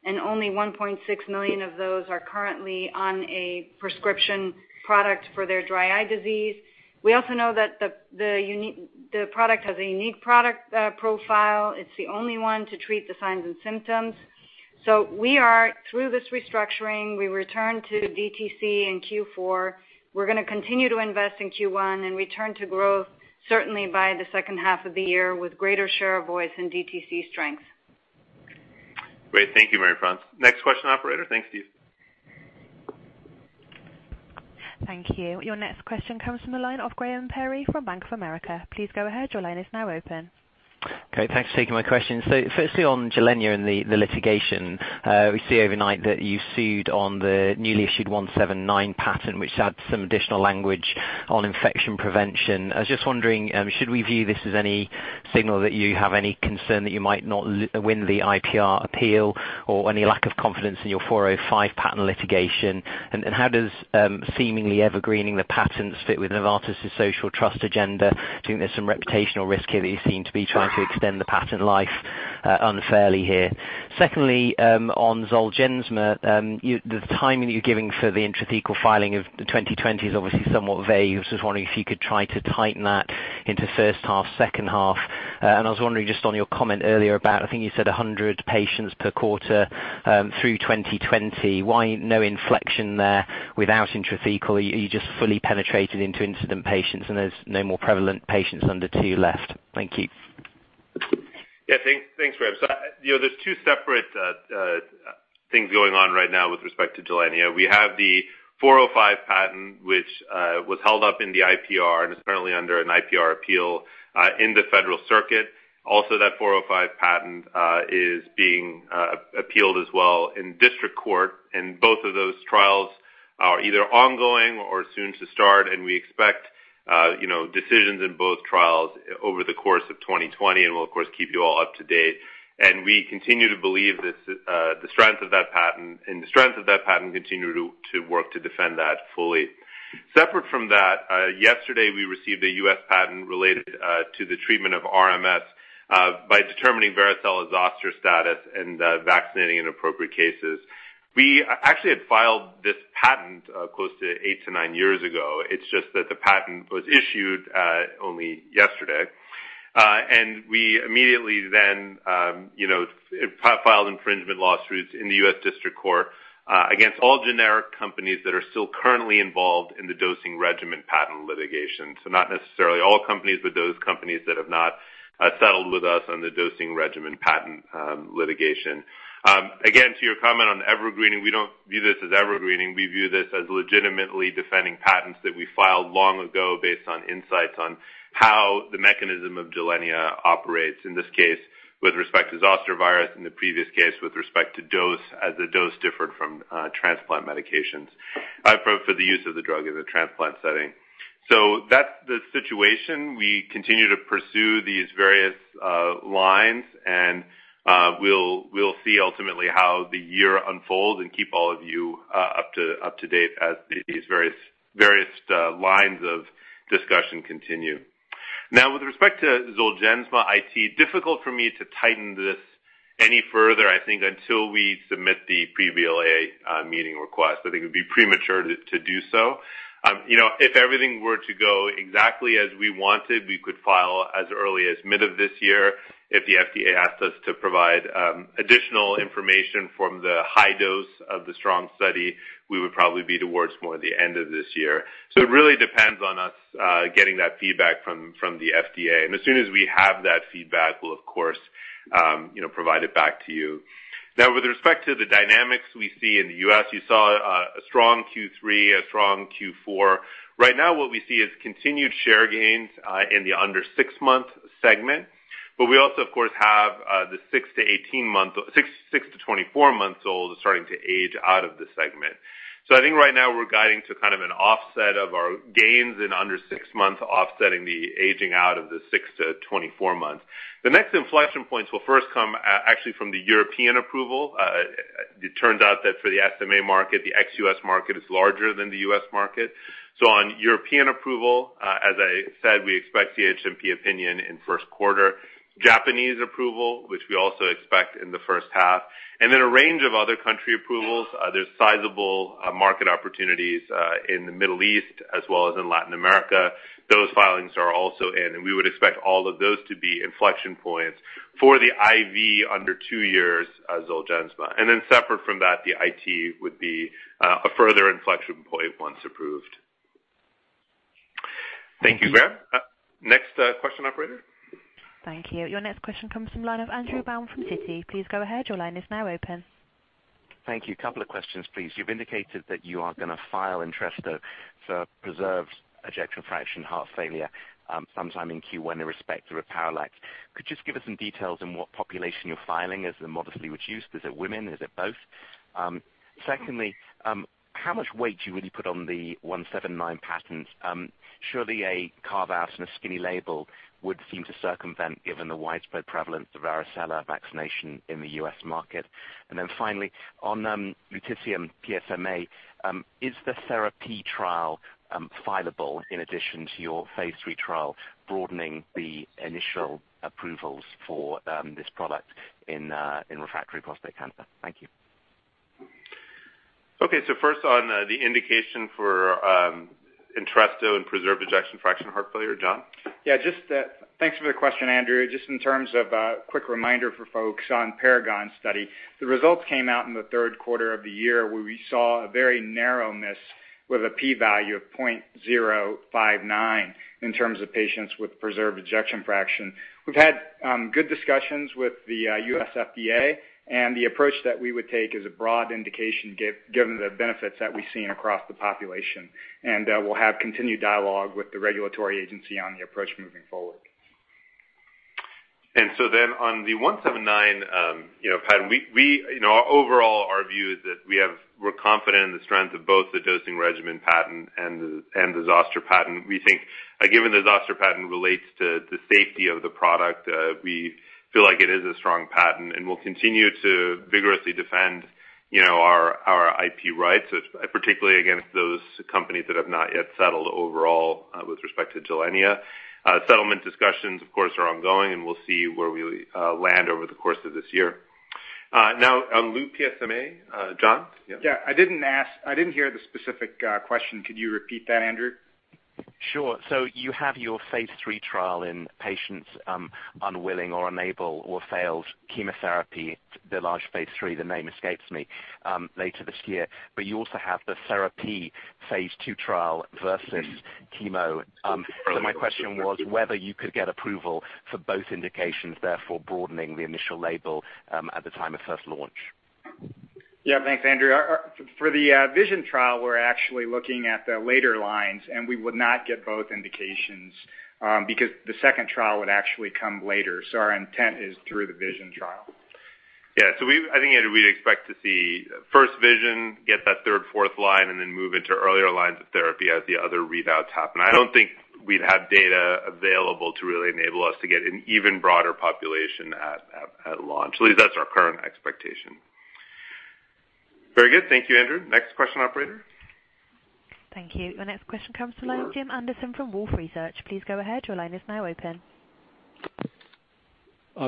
and only 1.6 million of those are currently on a prescription product for their dry eye disease. We also know that the product has a unique product profile. It's the only one to treat the signs and symptoms. We are through this restructuring. We return to DTC in Q4. We're going to continue to invest in Q1 and return to growth certainly by the second half of the year with greater share of voice and DTC strength. Great. Thank you, Marie-France. Next question, Operator. Thanks, Steve. Thank you. Your next question comes from the line of Graham Parry from Bank of America. Please go ahead. Your line is now open. Okay. Thanks for taking my question. Firstly, on Gilenya and the litigation. We see overnight that you sued on the newly issued 179 patent, which adds some additional language on infection prevention. I was just wondering, should we view this as any signal that you have any concern that you might not win the IPR appeal or any lack of confidence in your 405 patent litigation? How does seemingly evergreening the patents fit with Novartis's social trust agenda? Do you think there's some reputational risk here that you seem to be trying to extend the patent life unfairly here? Secondly, on Zolgensma, the timing you're giving for the intrathecal filing of the 2020 is obviously somewhat vague. I was just wondering if you could try to tighten that into first half, second half. I was wondering just on your comment earlier about, I think you said 100 patients per quarter through 2020. Why no inflection there without intrathecal? Are you just fully penetrated into incident patients, and there's no more prevalent patients under two left? Thank you. Yeah, thanks, Graham. There's two separate things going on right now with respect to Gilenya. We have the 405 patent, which was held up in the IPR and is currently under an IPR appeal in the Federal Circuit. That 405 patent is being appealed as well in district court, and both of those trials are either ongoing or soon to start, and we expect decisions in both trials over the course of 2020, and we'll, of course, keep you all up to date. We continue to believe in the strength of that patent and continue to work to defend that fully. Separate from that, yesterday, we received a U.S. patent related to the treatment of RMS by determining varicella zoster status and vaccinating in appropriate cases. We actually had filed this patent close to eight to nine years ago. It's just that the patent was issued only yesterday. We immediately then filed infringement lawsuits in the U.S. District Court against all generic companies that are still currently involved in the dosing regimen patent litigation. Not necessarily all companies, but those companies that have not settled with us on the dosing regimen patent litigation. Again, to your comment on evergreening, we don't view this as evergreening. We view this as legitimately defending patents that we filed long ago based on insights on how the mechanism of Gilenya operates, in this case, with respect to zoster virus, in the previous case, with respect to dose, as the dose differed from transplant medications for the use of the drug in the transplant setting. That's the situation. We continue to pursue these various lines, and we'll see ultimately how the year unfolds and keep all of you up to date as these various lines of discussion continue. With respect to Zolgensma it's difficult for me to tighten this any further, I think, until we submit the pre-BLA meeting request. I think it would be premature to do so. If everything were to go exactly as we wanted, we could file as early as mid of this year. If the FDA asked us to provide additional information from the STRONG study, we would probably be towards more the end of this year. It really depends on us getting that feedback from the FDA. As soon as we have that feedback, we'll of course provide it back to you. With respect to the dynamics we see in the U.S., you saw a strong Q3, a strong Q4. Right now, what we see is continued share gains in the under six-month segment. We also, of course, have the six to 18 month-- six to 24 months old starting to age out of the segment. I think right now we're guiding to an offset of our gains in under six months, offsetting the aging out of the six to 24 months. The next inflection points will first come actually from the European approval. It turns out that for the SMA market, the ex-U.S. market is larger than the U.S. market. On European approval, as I said, we expect the CHMP opinion in first quarter. Japanese approval, which we also expect in the first half, a range of other country approvals. There's sizable market opportunities in the Middle East as well as in Latin America. Those filings are also in, we would expect all of those to be inflection points for the IV under two years Zolgensma. Separate from that, the IT would be a further inflection point once approved. Thank you, Graham. Next question, Operator. Thank you. Your next question comes from the line of Andrew Baum from Citi. Please go ahead. Your line is now open. Thank you. A couple of questions, please. You've indicated that you are going to file Entresto for preserved ejection fraction heart failure sometime in Q1 in respect to [Repatha]. Could you just give us some details on what population you're filing as a modestly reduced? Is it women? Is it both? Secondly, how much weight do you really put on the 179 patents? Surely a carve-out and a skinny label would seem to circumvent given the widespread prevalence of varicella vaccination in the U.S. market. Finally, on Lutetium PSMA, is the therapy trial filable in addition to your phase III trial broadening the initial approvals for this product in refractory prostate cancer? Thank you. Okay, first on the indication for Entresto in preserved ejection fraction heart failure, John? Yeah, thanks for the question, Andrew. Just in terms of a quick reminder for folks on PARAGON-HF Study, the results came out in the third quarter of the year where we saw a very narrow miss with a P value of 0.059 in terms of patients with preserved ejection fraction. We've had good discussions with the U.S. FDA, and the approach that we would take is a broad indication given the benefits that we've seen across the population. We'll have continued dialogue with the regulatory agency on the approach moving forward. On the 179, you know, patent, overall, our view is that we're confident in the strength of both the dosing regimen patent and the zoster patent. We think given the zoster patent relates to the safety of the product, we feel like it is a strong patent, and we'll continue to vigorously defend our IP rights, particularly against those companies that have not yet settled overall with respect to Gilenya. Settlement discussions, of course, are ongoing, and we'll see where we land over the course of this year. On LuPSMA, John? Yeah. I didn't hear the specific question. Could you repeat that, Andrew? Sure. You have your phase III trial in patients unwilling or unable or failed chemotherapy, the large phase III, the name escapes me, later this year. You also have the therapy phase II trial versus chemo. My question was whether you could get approval for both indications, therefore broadening the initial label at the time of first launch. Yeah, thanks, Andrew. For the VISION trial, we're actually looking at the later lines, and we would not get both indications because the second trial would actually come later. Our intent is through the VISION trial. Yeah. I think we'd expect to see first VISION get that third, fourth line, and then move into earlier lines of therapy as the other readouts happen. I don't think we'd have data available to really enable us to get an even broader population at launch. At least that's our current expectation. Very good. Thank you, Andrew. Next question, Operator. Thank you. Your next question comes from the line of Tim Anderson from Wolfe Research. Please go ahead. Your line is now open.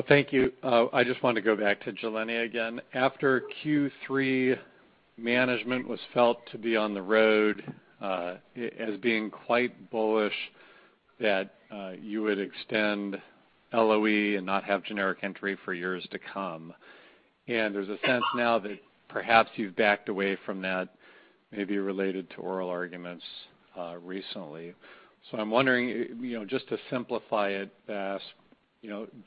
Thank you. I just wanted to go back to Gilenya again. After Q3, management was felt to be on the road as being quite bullish that you would extend LOE and not have generic entry for years to come. There's a sense now that perhaps you've backed away from that, maybe related to oral arguments recently. I'm wondering, just to simplify it, Vas,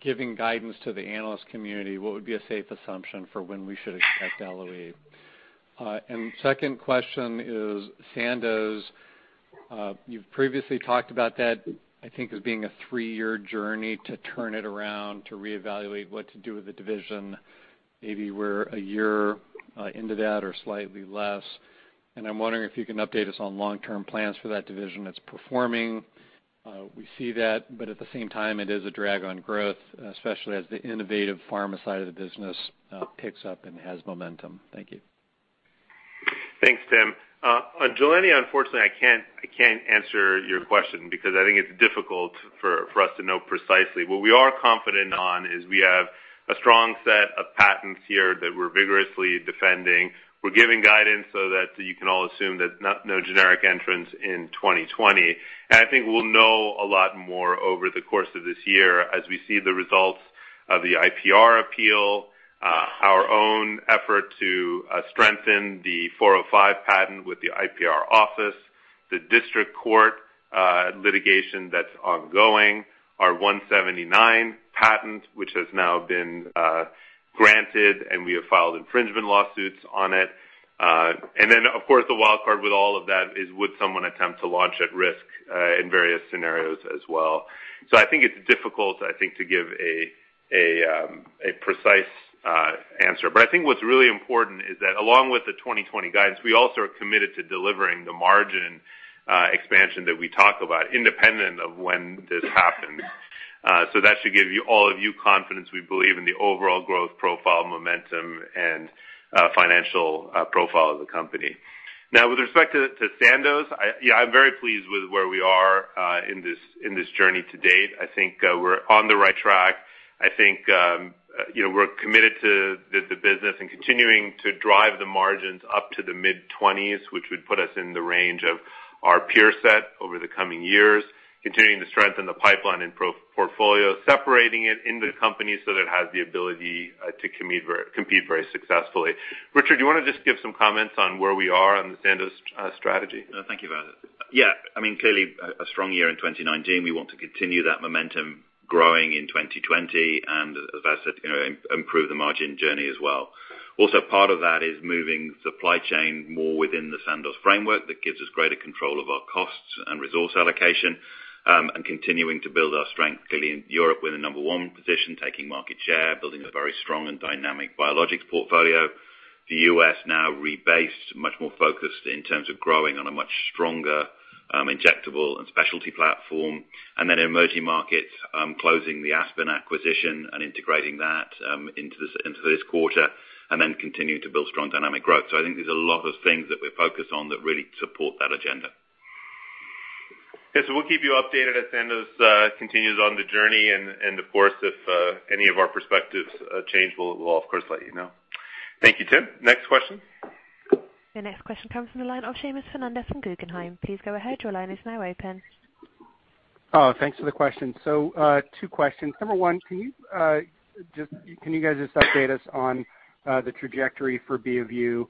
giving guidance to the analyst community, what would be a safe assumption for when we should expect LOE? Second question is Sandoz. You've previously talked about that, I think, as being a three-year journey to turn it around, to reevaluate what to do with the division. Maybe we're a year into that or slightly less, and I'm wondering if you can update us on long-term plans for that division. It's performing, we see that, but at the same time, it is a drag on growth, especially as the innovative pharma side of the business picks up and has momentum. Thank you. Thanks, Tim. On Gilenya, unfortunately, I can't-- I can't answer your question because I think it's difficult for us to know precisely. What we are confident on is we have a strong set of patents here that we're vigorously defending. We're giving guidance so that you can all assume that no generic entrants in 2020. I think we'll know a lot more over the course of this year as we see the results of the IPR appeal, our own effort to strengthen the 405 patent with the IPR office, the district court litigation that's ongoing, our 179 patent, which has now been granted, and we have filed infringement lawsuits on it. Then, of course, the wild card with all of that is would someone attempt to launch at risk in various scenarios as well. I think it's difficult to give a precise answer. I think what's really important is that along with the 2020 guidance, we also are committed to delivering the margin expansion that we talk about independent of when this happens. That should give all of you confidence we believe in the overall growth profile, momentum, and financial profile of the company. With respect to Sandoz, I'm very pleased with where we are in this journey to date. I think we're on the right track. I think we're committed to the business and continuing to drive the margins up to the mid-20%s, which would put us in the range of our peer set over the coming years, continuing to strengthen the pipeline and portfolio, separating it into the company so that it has the ability to compete very successfully. Richard, do you want to just give some comments on where we are on the Sandoz strategy? Thank you, Vas. Yeah. Clearly, a strong year in 2019. We want to continue that momentum growing in 2020, as Vas said, improve the margin journey as well. Also part of that is moving supply chain more within the Sandoz framework. That gives us greater control of our costs and resource allocation, continuing to build our strength, clearly in Europe, we're the number one position, taking market share, building a very strong and dynamic biologics portfolio. The U.S. now rebased, much more focused in terms of growing on a much stronger injectable and specialty platform. Emerging markets, closing the Aspen acquisition and integrating that into this quarter, continuing to build strong dynamic growth. I think there's a lot of things that we're focused on that really support that agenda. Okay. We'll keep you updated as Sandoz continues on the journey and, of course, if any of our perspectives change, we'll of course let you know. Thank you, Tim. Next question. Your next question comes from the line of Seamus Fernandez from Guggenheim. Please go ahead. Your line is now open. Thanks for the question. Two questions. Number one, can you guys just update us on the trajectory for Beovu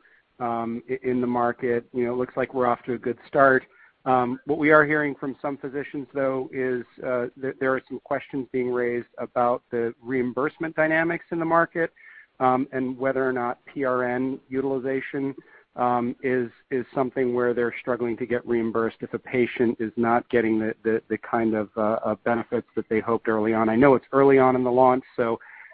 in the market? It looks like we're off to a good start. What we are hearing from some physicians, though, is that there are some questions being raised about the reimbursement dynamics in the market and whether or not PRN utilization is something where they're struggling to get reimbursed if a patient is not getting the kind of benefits that they hoped early on. I know it's early on in the launch,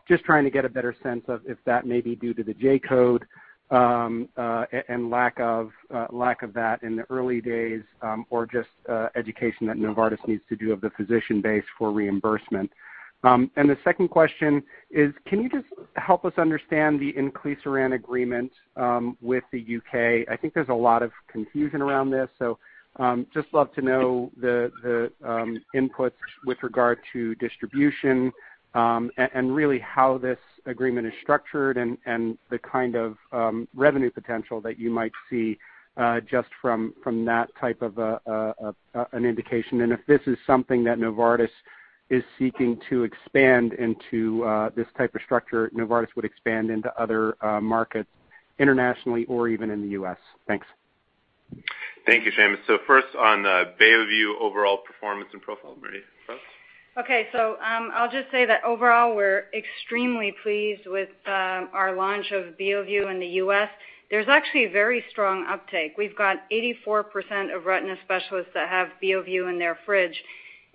just trying to get a better sense of if that may be due to the J-code and lack of that in the early days, or just education that Novartis needs to do of the physician base for reimbursement. The second question is, can you just help us understand the inclisiran agreement with the U.K.? I think there's a lot of confusion around this, so just love to know the inputs with regard to distribution, and really how this agreement is structured and the kind of revenue potential that you might see just from that type of an indication. If this is something that Novartis is seeking to expand into this type of structure, Novartis would expand into other markets internationally or even in the U.S. Thanks. Thank you, Seamus. First on Beovu overall performance and profile. Marie-France? Okay. I'll just say that overall, we're extremely pleased with our launch of Beovu in the U.S. There's actually a very strong uptake. We've got 84% of retina specialists that have Beovu in their fridge.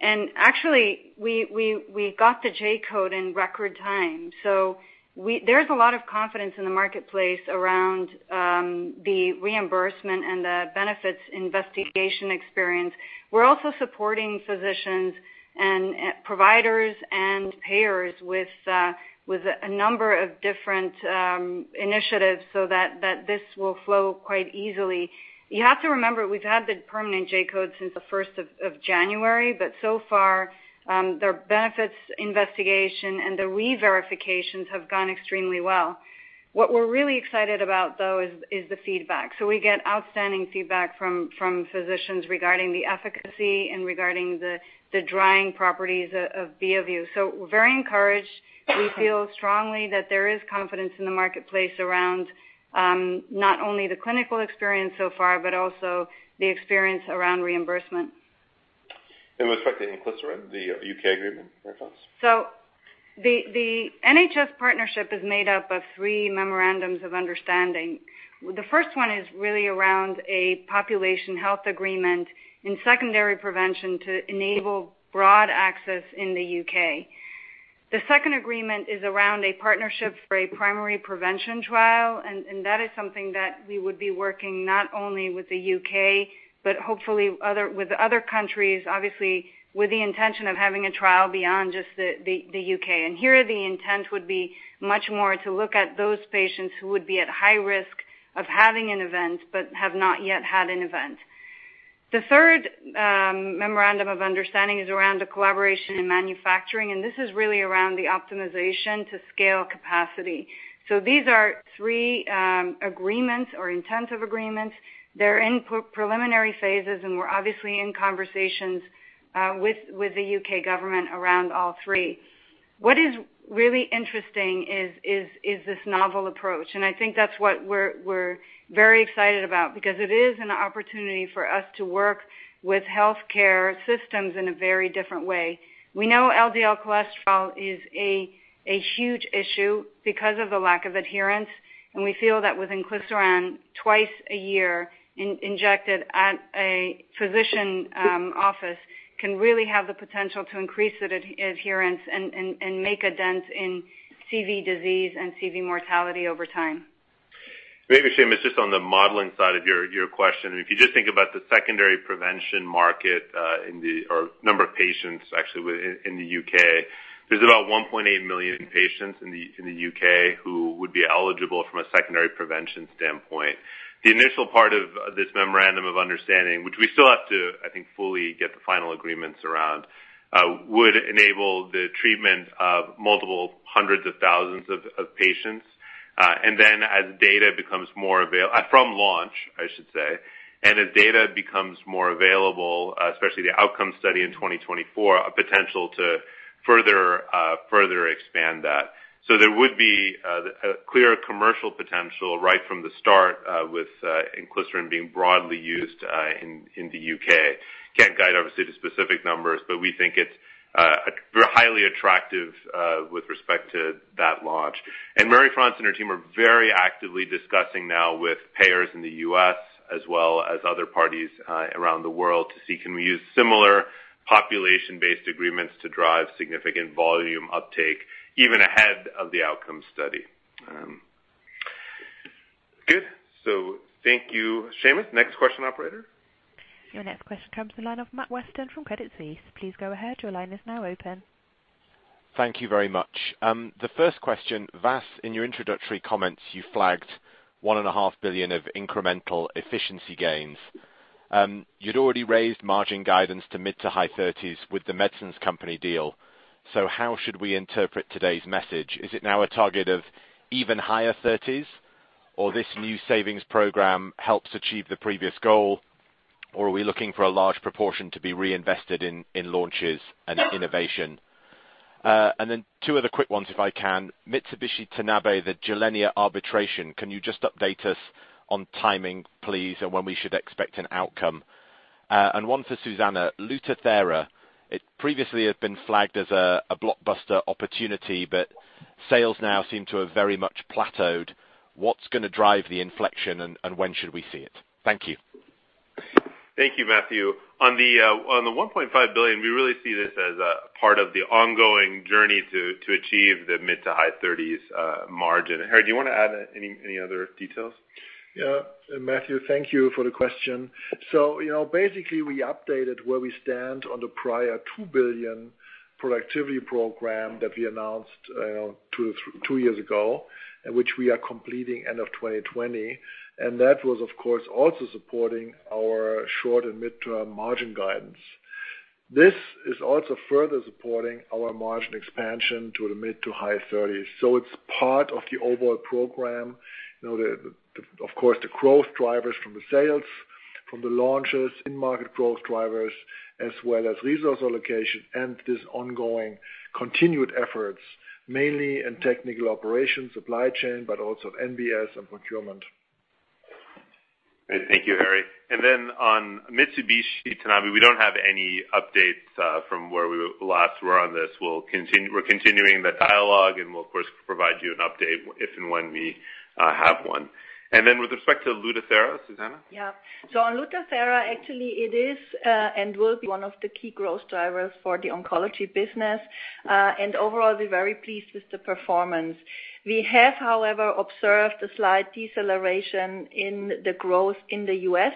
Actually, we got the J-code in record time. There's a lot of confidence in the marketplace around the reimbursement and the benefits investigation experience. We're also supporting physicians and providers and payers with a number of different initiatives so that this will flow quite easily. You have to remember, we've had the permanent J-code since the 1st of January. So far, their benefits investigation and the reverifications have gone extremely well. What we're really excited about, though, is the feedback. We get outstanding feedback from physicians regarding the efficacy and regarding the drying properties of Beovu. We're very encouraged. We feel strongly that there is confidence in the marketplace around not only the clinical experience so far, but also the experience around reimbursement. With respect to inclisiran, the U.K. agreement, Marie-France? The NHS partnership is made up of three memorandums of understanding. The first one is really around a population health agreement in secondary prevention to enable broad access in the U.K. The second agreement is around a partnership for a primary prevention trial, and that is something that we would be working not only with the U.K. but hopefully with other countries, obviously with the intention of having a trial beyond just the U.K. Here the intent would be much more to look at those patients who would be at high risk of having an event but have not yet had an event. The third memorandum of understanding is around the collaboration in manufacturing, and this is really around the optimization to scale capacity. These are three agreements or intents of agreements. They're in preliminary phases, and we're obviously in conversations with the U.K. government around all three. What is really interesting is this novel approach, and I think that's what we're very excited about because it is an opportunity for us to work with healthcare systems in a very different way. We know LDL cholesterol is a huge issue because of the lack of adherence, and we feel that with inclisiran twice a year injected at a physician office can really have the potential to increase the adherence and make a dent in CV disease and CV mortality over time. Maybe, Seamus, just on the modeling side of your question, if you just think about the secondary prevention market or number of patients actually within the U.K. There's about 1.8 million patients in the U.K. who would be eligible from a secondary prevention standpoint. The initial part of this memorandum of understanding, which we still have to, I think, fully get the final agreements around, would enable the treatment of multiple hundreds of thousands of patients. Then as data becomes more available-- From launch, I should say. As data becomes more available, especially the outcome study in 2024, a potential to further expand that. There would be a clear commercial potential right from the start with inclisiran being broadly used in the U.K. Can't guide, obviously, to specific numbers, but we think it's highly attractive with respect to that launch. Marie-France and her team are very actively discussing now with payers in the U.S. as well as other parties around the world to see can we use similar population-based agreements to drive significant volume uptake even ahead of the outcome study. Good. Thank you, Seamus. Next question, Operator. Your next question comes from the line of Matt Weston from Credit Suisse. Please go ahead. Your line is now open. Thank you very much. The first question, Vas, in your introductory comments, you flagged $1.5 billion of incremental efficiency gains. You'd already raised margin guidance to mid-to-high 30s with The Medicines Company deal. How should we interpret today's message? Is it now a target of even higher 30s, or this new savings program helps achieve the previous goal? Are we looking for a large proportion to be reinvested in launches and innovation? Then two other quick ones, if I can. Mitsubishi Tanabe, the Gilenya arbitration, can you just update us on timing, please, and when we should expect an outcome? One for Susanne. Lutathera, it previously had been flagged as a blockbuster opportunity, but sales now seem to have very much plateaued. What's going to drive the inflection, and when should we see it? Thank you. Thank you, Matthew. On the $1.5 billion, we really see this as a part of the ongoing journey to achieve the mid to high 30s margin. Harry, do you want to add any other details? Yeah. Matthew, thank you for the question. Basically, we updated where we stand on the prior 2 billion productivity program that we announced two years ago, which we are completing end of 2020. That was, of course, also supporting our short and mid-term margin guidance. This is also further supporting our margin expansion to the mid to high thirties. It's part of the overall program. Of course, the growth drivers from the sales, from the launches, in-market growth drivers, as well as resource allocation and this ongoing continued efforts, mainly in technical operations, supply chain, but also NBS and procurement. Great. Thank you, Harry. On Mitsubishi Tanabe, we don't have any updates from where we last were on this. We're continuing the dialogue, and we'll, of course, provide you an update if and when we have one. With respect to Lutathera, Susanne? On Lutathera, actually it is and will be one of the key growth drivers for the Novartis Oncology business. Overall, we're very pleased with the performance. We have, however, observed a slight deceleration in the growth in the U.S.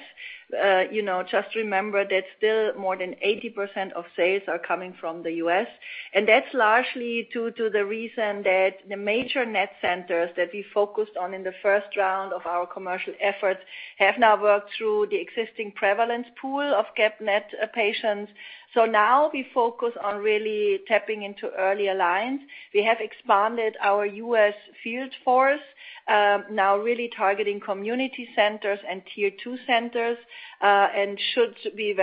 Just remember that still more than 80% of sales are coming from the U.S., and that's largely due to the reason that the major GEP-NET centers that we focused on in the first round of our commercial efforts have now worked through the existing prevalence pool of GEP-NET patients. Now we focus on really tapping into earlier lines. We have expanded our U.S. field force, now really targeting community centers and Tier 2 centers, we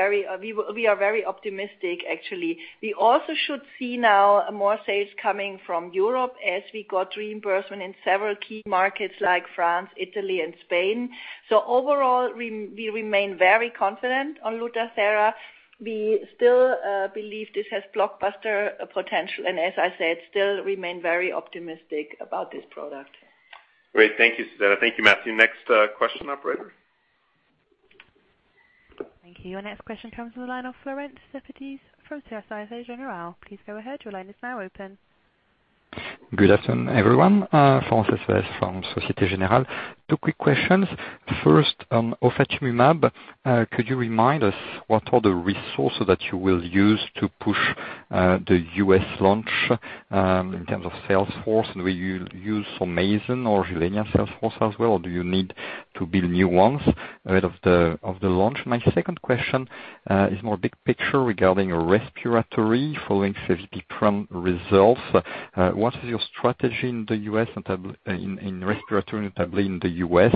are very optimistic actually. We also should see now more sales coming from Europe as we got reimbursement in several key markets like France, Italy and Spain. Overall, we remain very confident on Lutathera. We still believe this has blockbuster potential, and as I said, still remain very optimistic about this product. Great. Thank you, Susanne. Thank you, Matthew. Next question, Operator. Thank you. Your next question comes from the line of Florent Cespedes from Societe Generale. Please go ahead. Your line is now open. Good afternoon, everyone. Florent Cespedes from Societe Generale. Two quick questions. First, ofatumumab, could you remind us what are the resources that you will use to push the U.S. launch in terms of sales force and will you use some Mayzent or Gilenya sales force as well, or do you need to build new ones ahead of the launch? My second question is more big picture regarding respiratory following results. What is your strategy in respiratory and particularly in the U.S.?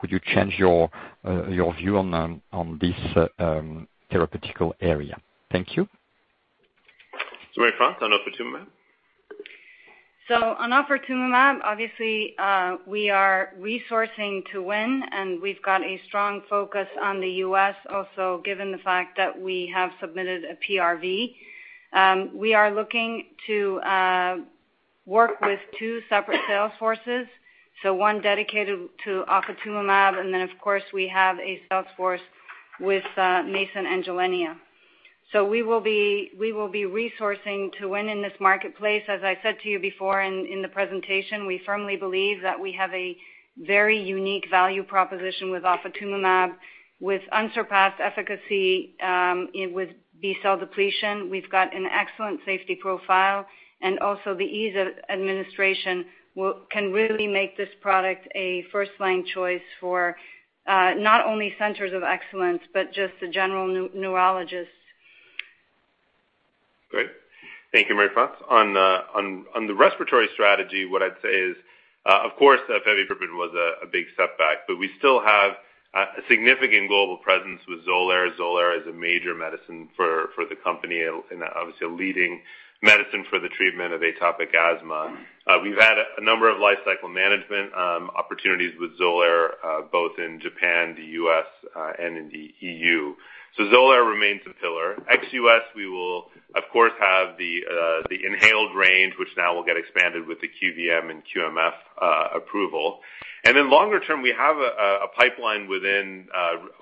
Would you change your view on this therapeutical area? Thank you. Marie-France on ofatumumab. On ofatumumab, obviously, we are resourcing to win, and we've got a strong focus on the U.S. also, given the fact that we have submitted a PRV. We are looking to work with two separate sales forces, one dedicated to ofatumumab, and then, of course, we have a sales force with Mayzent and Gilenya. We will be resourcing to win in this marketplace. As I said to you before in the presentation, we firmly believe that we have a very unique value proposition with ofatumumab, with unsurpassed efficacy with B-cell depletion. We've got an excellent safety profile, and also the ease of administration can really make this product a first-line choice for not only centers of excellence, but just the general neurologist. Great. Thank you, Marie-France. On the respiratory strategy, what I'd say is, of course, fevipiprant was a big setback, but we still have a significant global presence with Xolair. Xolair is a major medicine for the company and obviously a leading medicine for the treatment of atopic asthma. We've had a number of lifecycle management opportunities with Xolair, both in Japan, the U.S., and in the EU. Xolair remains a pillar. Ex-U.S., we will, of course, have the inhaled range, which now will get expanded with the QVM149 and QMF149 approval. Longer term, we have a pipeline within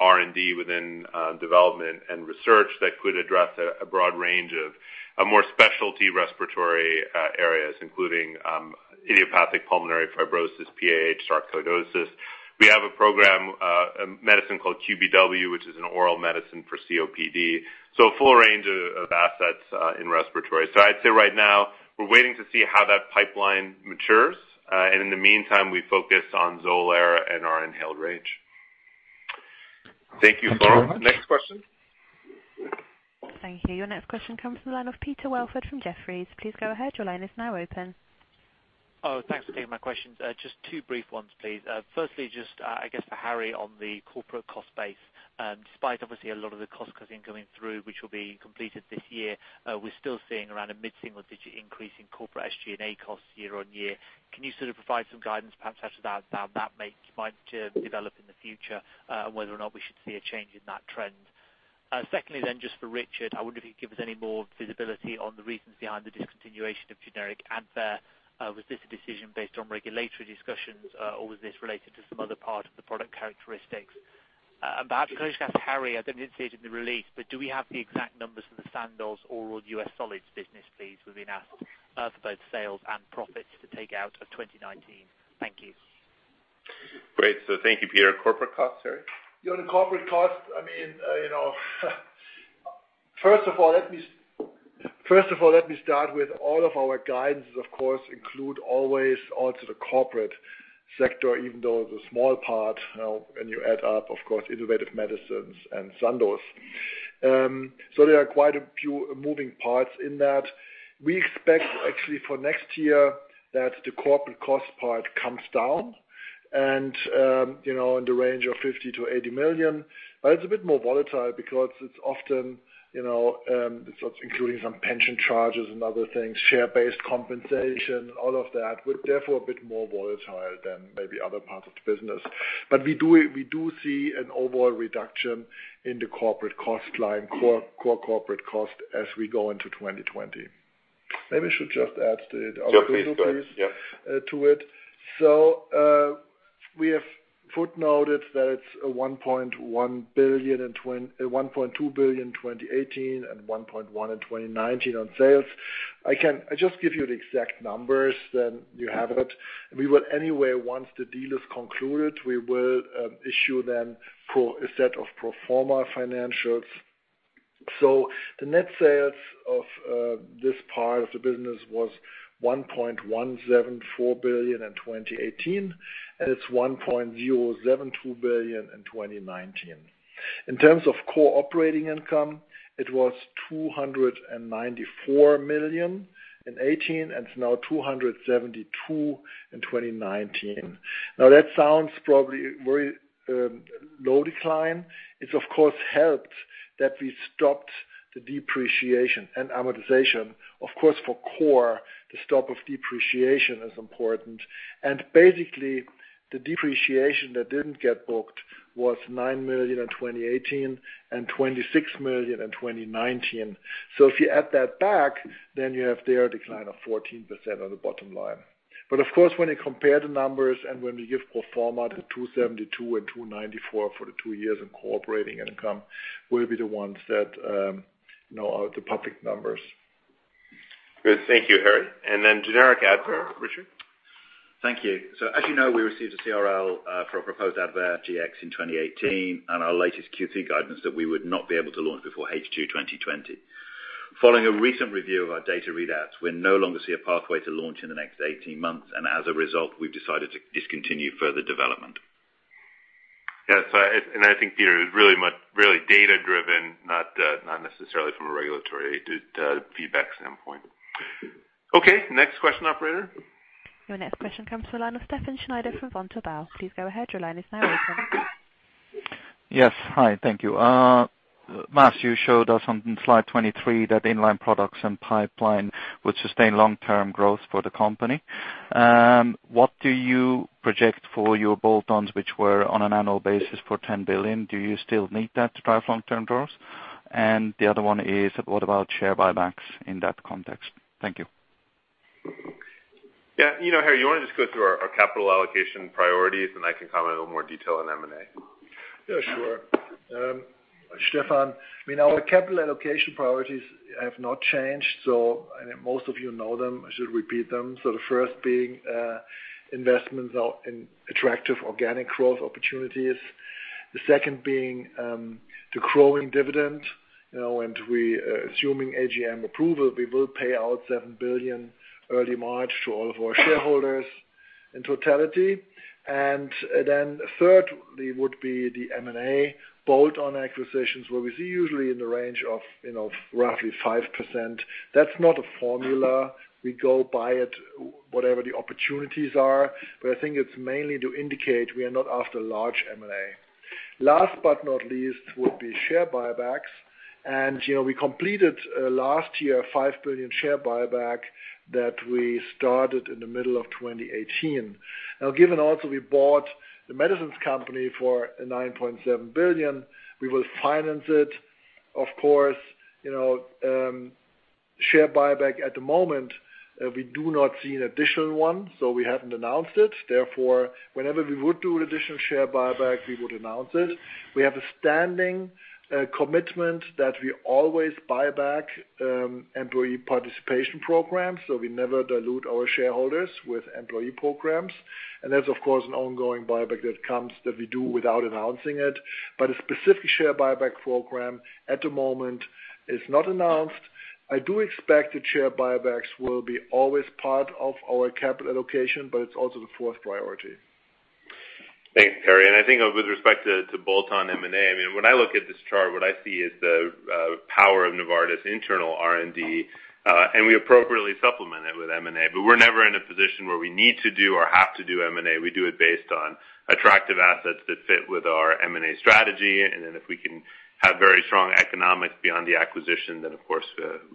R&D, within development and research that could address a broad range of more specialty respiratory areas, including idiopathic pulmonary fibrosis, PAH, sarcoidosis. We have a program, a medicine called fevipiprant, which is an oral medicine for COPD. A full range of assets in respiratory. I'd say right now we're waiting to see how that pipeline matures. In the meantime, we focus on Xolair and our inhaled range. Thank you, Florent. Next question. Thank you. Your next question comes from the line of Peter Welford from Jefferies. Please go ahead. Your line is now open. Oh, thanks for taking my questions. Just two brief ones, please. Firstly, just I guess for Harry on the corporate cost base. Despite obviously a lot of the cost cutting going through, which will be completed this year, we're still seeing around a mid-single-digit increase in corporate SG&A costs year-on-year. Can you sort of provide some guidance, perhaps, as to how that might develop in the future and whether or not we should see a change in that trend? Secondly, just for Richard, I wonder if you'd give us any more visibility on the reasons behind the discontinuation of generic Advair. Was this a decision based on regulatory discussions or was this related to some other part of the product characteristics? Perhaps can I just ask Harry, I didn't see it in the release, but do we have the exact numbers for the Sandoz Oral U.S. Solids business, please? We've been asked for both sales and profits to take out of 2019. Thank you. Great. Thank you, Peter. Corporate costs, Harry? Yeah, on the corporate cost, I mean, you know, first of all, let me start with all of our guidances, of course, include always also the corporate sector, even though it's a small part when you add up, of course, innovative medicines and Sandoz. There are quite a few moving parts in that. We expect actually for next year that the corporate cost part comes down and in the range of $50 million-80 million. It's a bit more volatile because it's often including some pension charges and other things, share-based compensation, all of that, but therefore a bit more volatile than maybe other parts of the business. We do see an overall reduction in the corporate cost line, core corporate cost as we go into 2020. Maybe I should just add our piece- Yeah, To it. We have footnoted that it's a 1.2 billion in 2018 and 1.1 billion in 2019 on sales. I just give you the exact numbers, you have it. We will anyway, once the deal is concluded, we will issue then a set of pro forma financials. The net sales of this part of the business was 1.174 billion in 2018, and it's 1.072 billion in 2019. In terms of core operating income, it was 294 million in 2018, and it's now 272 million in 2019. That sounds probably very low decline. It's of course helped that we stopped the depreciation and amortization. Of course, for core, the stop of depreciation is important. Basically, the depreciation that didn't get booked was 9 million in 2018 and 26 million in 2019. If you add that back, then you have there a decline of 14% on the bottom line. Of course, when you compare the numbers and when we give pro forma the 272 and 294 for the two years in core operating income, will be the ones that, you know, are the public numbers. Good. Thank you, Harry. Generic Advair, Richard? Thank you. As you know, we received a CRL for a proposed generic Advair in 2018 and our latest Q3 guidance that we would not be able to launch before H2 2020. Following a recent review of our data readouts, we no longer see a pathway to launch in the next 18 months, and as a result, we've decided to discontinue further development. Yeah. I think, Peter, it was really data-driven, not necessarily from a regulatory feedback standpoint. Okay, next question, Operator. Your next question comes to the line of Stefan Schneider from Vontobel. Please go ahead. Your line is now open. Yes. Hi. Thank you. Matt, you showed us on slide 23 that in-line products and pipeline would sustain long-term growth for the company. What do you project for your bolt-ons, which were on an annual basis for 10 billion? Do you still need that to drive long-term growth? The other one is, what about share buybacks in that context? Thank you. Yeah. Harry, you want to just go through our capital allocation priorities, and I can comment a little more detail on M&A. Yeah, sure. Stefan, our capital allocation priorities have not changed. Most of you know them. I should repeat them. The first being investments in attractive organic growth opportunities. The second being the growing dividend, assuming AGM approval, we will pay out 7 billion early March to all of our shareholders in totality. Thirdly would be the M&A bolt-on acquisitions where we see usually in the range of roughly 5%. That's not a formula. We go by it, whatever the opportunities are. I think it's mainly to indicate we are not after large M&A. Last but not least would be share buybacks. We completed last year a 5 billion share buyback that we started in the middle of 2018. Given also we bought The Medicines Company for 9.7 billion, we will finance it. Of course, share buyback at the moment, we do not see an additional one, so we haven't announced it. Whenever we would do an additional share buyback, we would announce it. We have a standing commitment that we always buy back employee participation program, so we never dilute our shareholders with employee programs. There's, of course, an ongoing buyback that comes that we do without announcing it. A specific share buyback program at the moment is not announced. I do expect the share buybacks will be always part of our capital allocation, but it's also the fourth priority. Thanks, Harry. I think with respect to bolt-on M&A, when I look at this chart, what I see is the power of Novartis internal R&D, and we appropriately supplement it with M&A. We're never in a position where we need to do or have to do M&A. We do it based on attractive assets that fit with our M&A strategy. If we can have very strong economics beyond the acquisition, of course,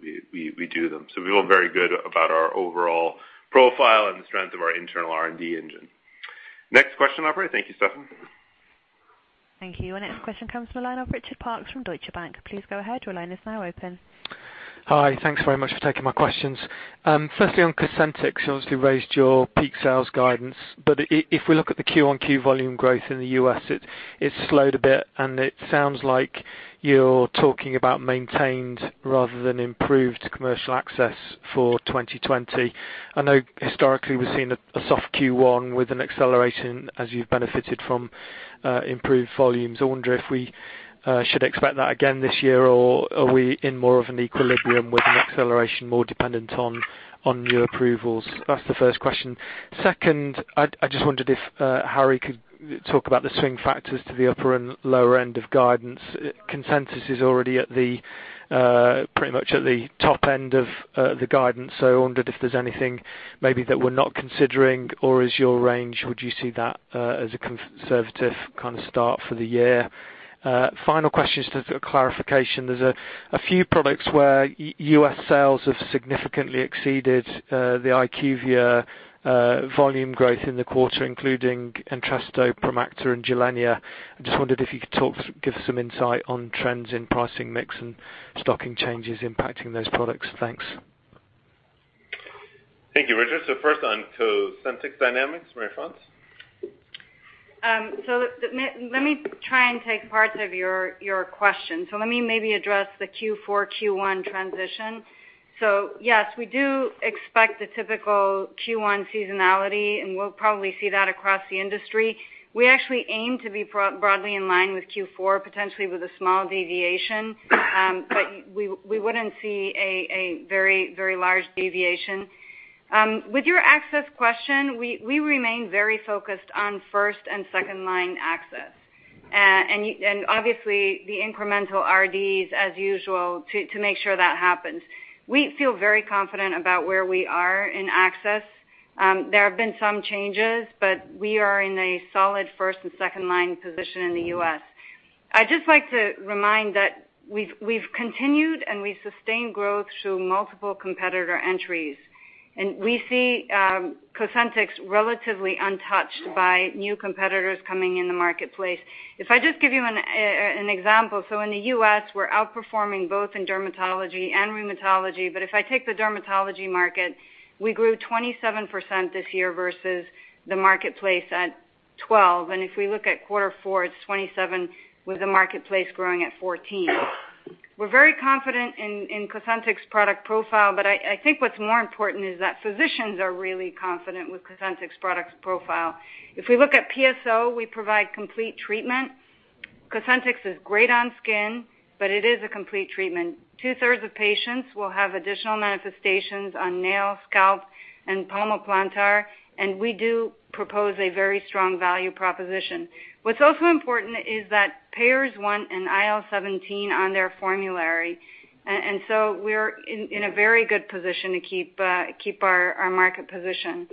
we do them. We feel very good about our overall profile and the strength of our internal R&D engine. Next question, Operator. Thank you, Stefan. Thank you. Our next question comes from the line of Richard Parkes from Deutsche Bank. Please go ahead. Your line is now open. Hi. Thanks very much for taking my questions. Firstly, on Cosentyx, you obviously raised your peak sales guidance. If we look at the QoQ volume growth in the U.S., it slowed a bit, and it sounds like you're talking about maintained rather than improved commercial access for 2020. I know historically we've seen a soft Q1 with an acceleration as you've benefited from improved volumes. I wonder if we should expect that again this year. Are we in more of an equilibrium with an acceleration more dependent on new approvals? That's the first question. Second, I just wondered if Harry could talk about the swing factors to the upper and lower end of guidance. Consensus is already pretty much at the top end of the guidance. So I wondered if there's anything maybe that we're not considering, or is your range, would you see that as a conservative kind of start for the year? Final question is just a clarification. There's a few products where U.S. sales have significantly exceeded the IQVIA volume growth in the quarter, including Entresto, Promacta and Gilenya. I just wondered if you could give us some insight on trends in pricing mix and stocking changes impacting those products. Thanks. Thank you, Richard. First on Cosentyx dynamics, Marie-France. Let me try and take parts of your question. Let me maybe address the Q4, Q1 transition. Yes, we do expect the typical Q1 seasonality, and we'll probably see that across the industry. We actually aim to be broadly in line with Q4, potentially with a small deviation. We wouldn't see a very large deviation. With your access question, we remain very focused on first and second line access. Obviously the incremental RDs as usual to make sure that happens. We feel very confident about where we are in access. There have been some changes, but we are in a solid first and second line position in the U.S. I'd just like to remind that we've continued and we've sustained growth through multiple competitor entries. We see Cosentyx relatively untouched by new competitors coming in the marketplace. If I just give you an example. In the U.S., we're outperforming both in dermatology and rheumatology. If I take the dermatology market, we grew 27% this year versus the marketplace at 12%. If we look at quarter four, it's 27% with the marketplace growing at 14%. We're very confident in Cosentyx product profile, but I think what's more important is that physicians are really confident with Cosentyx product profile. If we look at PSO, we provide complete treatment. Cosentyx is great on skin, but it is a complete treatment. 2/3.of patients will have additional manifestations on nail, scalp, and palmoplantar, and we do propose a very strong value proposition. What's also important is that payers want an IL-17 on their formulary. We're in a very good position to keep our market position.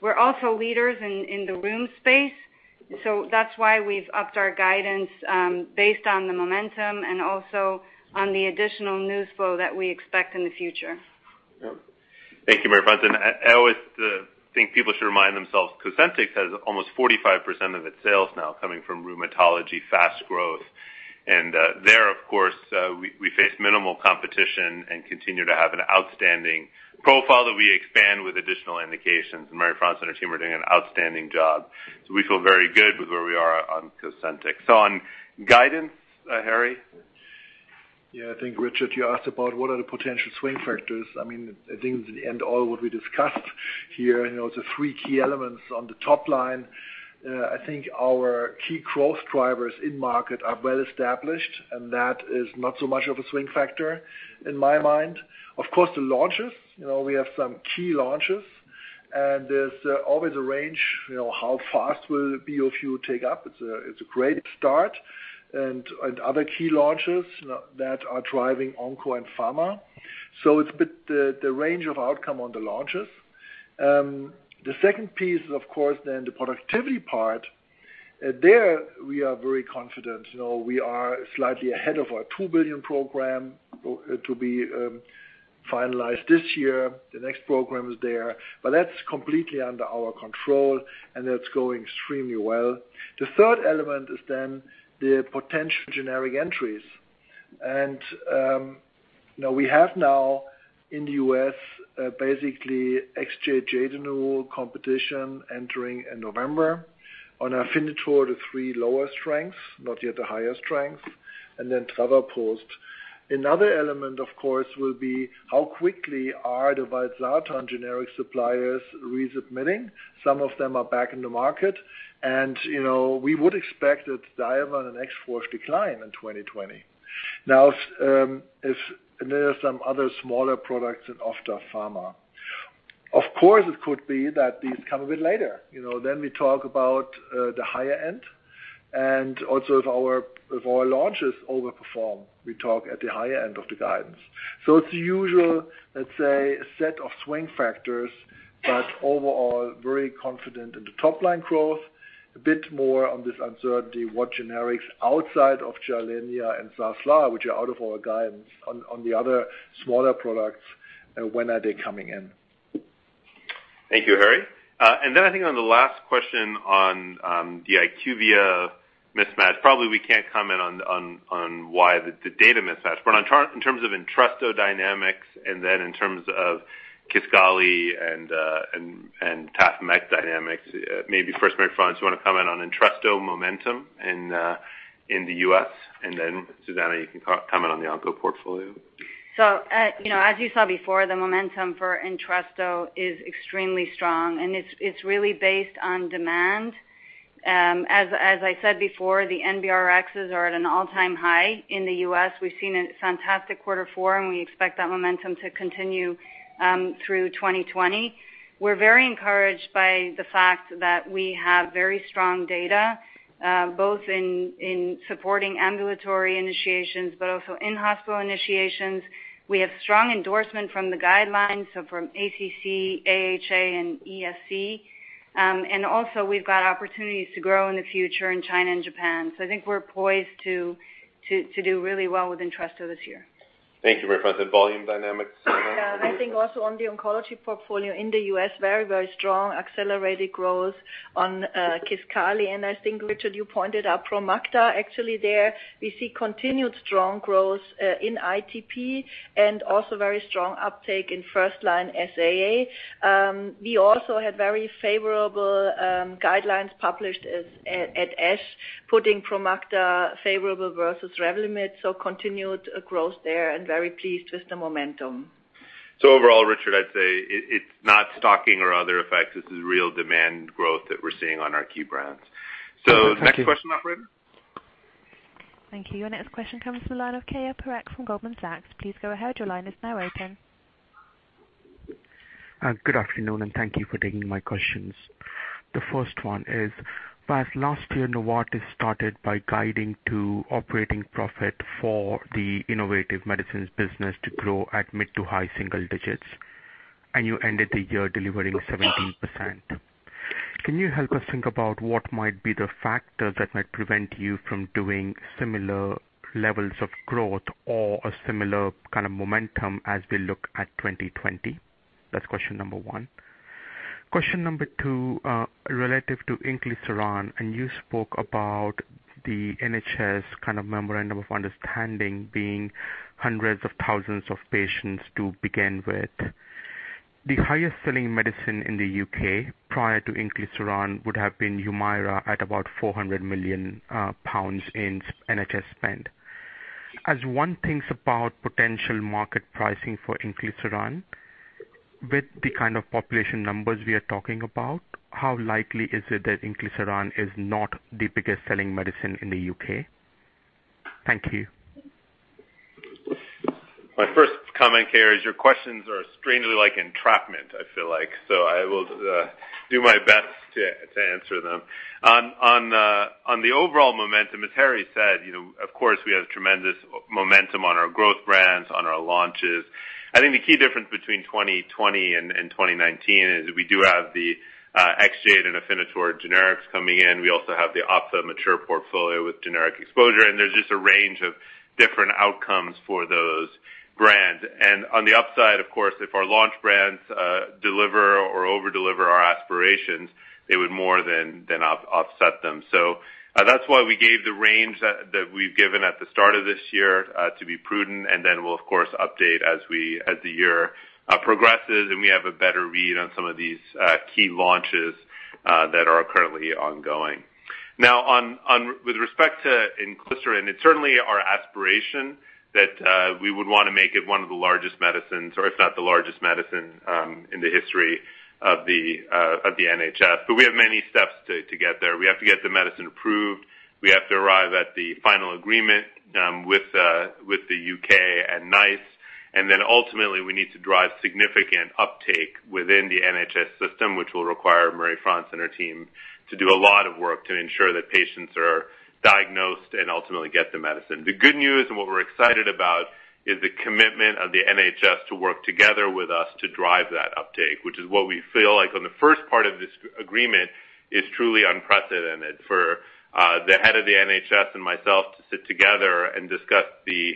We're also leaders in the rheum space, so that's why we've upped our guidance, based on the momentum and also on the additional news flow that we expect in the future. Thank you, Marie-France. I always think people should remind themselves, Cosentyx has almost 45% of its sales now coming from rheumatology, fast growth. There, of course, we face minimal competition and continue to have an outstanding profile that we expand with additional indications. Marie-France and her team are doing an outstanding job. We feel very good with where we are on Cosentyx. On guidance, Harry? Yeah, I think, Richard, you asked about what are the potential swing factors. I think in the end, all what we discussed here, the three key elements on the top line, I think our key growth drivers in market are well established, and that is not so much of a swing factor in my mind. Of course, the launches. We have some key launches, and there's always a range, how fast will be if you take up. It's a great start, and other key launches that are driving onco and pharma. It's a bit the range of outcome on the launches. The second piece is, of course, then the productivity part. There we are very confident. We are slightly ahead of our 2 billion program to be finalized this year. The next program is there. That's completely under our control, and that's going extremely well. The third element is the potential generic entries. We have now in the U.S. basically Xeljanz renewal competition entering in November. On Afinitor, the three lower strengths, not yet the higher strengths, and travoprost. Another element, of course, will be how quickly are the Diovan generic suppliers resubmitting. Some of them are back in the market and we would expect that Diovan and Exforge decline in 2020. If there are some other smaller products in ophtha, pharma. Of course, it could be that these come a bit later. We talk about the higher end, and also if our launches over-perform, we talk at the higher end of the guidance. It's the usual, let's say, set of swing factors, but overall very confident in the top-line growth. A bit more on this uncertainty, what generics outside of Gilenya and Xeljanz, which are out of our guidance on the other smaller products, when are they coming in? Thank you, Harry. I think on the last question on the IQVIA mismatch, probably we can't comment on why the data mismatch. In terms of Entresto dynamics and then in terms of Kisqali and Taf/Mek dynamics, maybe first Marie-France, you want to comment on Entresto momentum in the U.S. and then Susanne, you can comment on the onco portfolio. As you saw before, the momentum for Entresto is extremely strong, and it's really based on demand. As I said before, the NBRx are at an all-time high in the U.S. We've seen a fantastic quarter four, and we expect that momentum to continue through 2020. We're very encouraged by the fact that we have very strong data, both in supporting ambulatory initiations, but also in-hospital initiations. We have strong endorsement from the guidelines, so from ACC, AHA, and ESC. Also we've got opportunities to grow in the future in China and Japan. I think we're poised to-- to do really well with Entresto this year. Thank you, Marie-France. Volume dynamics? Yeah. I think also on the oncology portfolio in the U.S., very strong accelerated growth on Kisqali. I think, Richard, you pointed out Promacta. Actually there, we see continued strong growth in ITP and also very strong uptake in first-line SAA. We also had very favorable guidelines published at ASH putting Promacta favorable versus Revlimid. Continued growth there and very pleased with the momentum. Overall, Richard, I'd say it's not stocking or other effects. This is real demand growth that we're seeing on our key brands. Thank you. Next question, Operator. Thank you. Your next question comes from the line of Keyur Parekh from Goldman Sachs. Please go ahead. Your line is now open. Good afternoon, and thank you for taking my questions. The first one is, past last year, Novartis started by guiding to operating profit for the innovative medicines business to grow at mid to high single digits, and you ended the year delivering 17%. Can you help us think about what might be the factors that might prevent you from doing similar levels of growth or a similar kind of momentum as we look at 2020? That's question number one. Question number two, relative to inclisiran, you spoke about the NHS kind of memorandum of understanding being hundreds of thousands of patients to begin with. The highest-selling medicine in the U.K. prior to inclisiran would have been HUMIRA at about 400 million pounds in NHS spend. As one thinks about potential market pricing for inclisiran, with the kind of population numbers we are talking about, how likely is it that inclisiran is not the biggest-selling medicine in the U.K.? Thank you. My first comment, Keyur, is your questions are strangely like entrapment, I feel like. I will do my best to answer them. On the overall momentum, as Harry said, of course, we have tremendous momentum on our growth brands, on our launches. I think the key difference between 2020 and 2019 is we do have the Exjade and Afinitor generics coming in. We also have the ophtha mature portfolio with generic exposure, and there's just a range of different outcomes for those brands. On the upside, of course, if our launch brands deliver or over-deliver our aspirations, they would more than offset them. That's why we gave the range that we've given at the start of this year to be prudent, and then we'll of course update as the year progresses, and we have a better read on some of these key launches that are currently ongoing. Now on-- with respect to inclisiran, it's certainly our aspiration that we would want to make it one of the largest medicines or if not the largest medicine in the history of the NHS. We have many steps to get there. We have to get the medicine approved. We have to arrive at the final agreement with the U.K. and NICE. Ultimately, we need to drive significant uptake within the NHS system, which will require Marie-France and her team to do a lot of work to ensure that patients are diagnosed and ultimately get the medicine. The good news, and what we're excited about is the commitment of the NHS to work together with us to drive that uptake, which is what we feel like on the first part of this agreement is truly unprecedented for the head of the NHS and myself to sit together and discuss the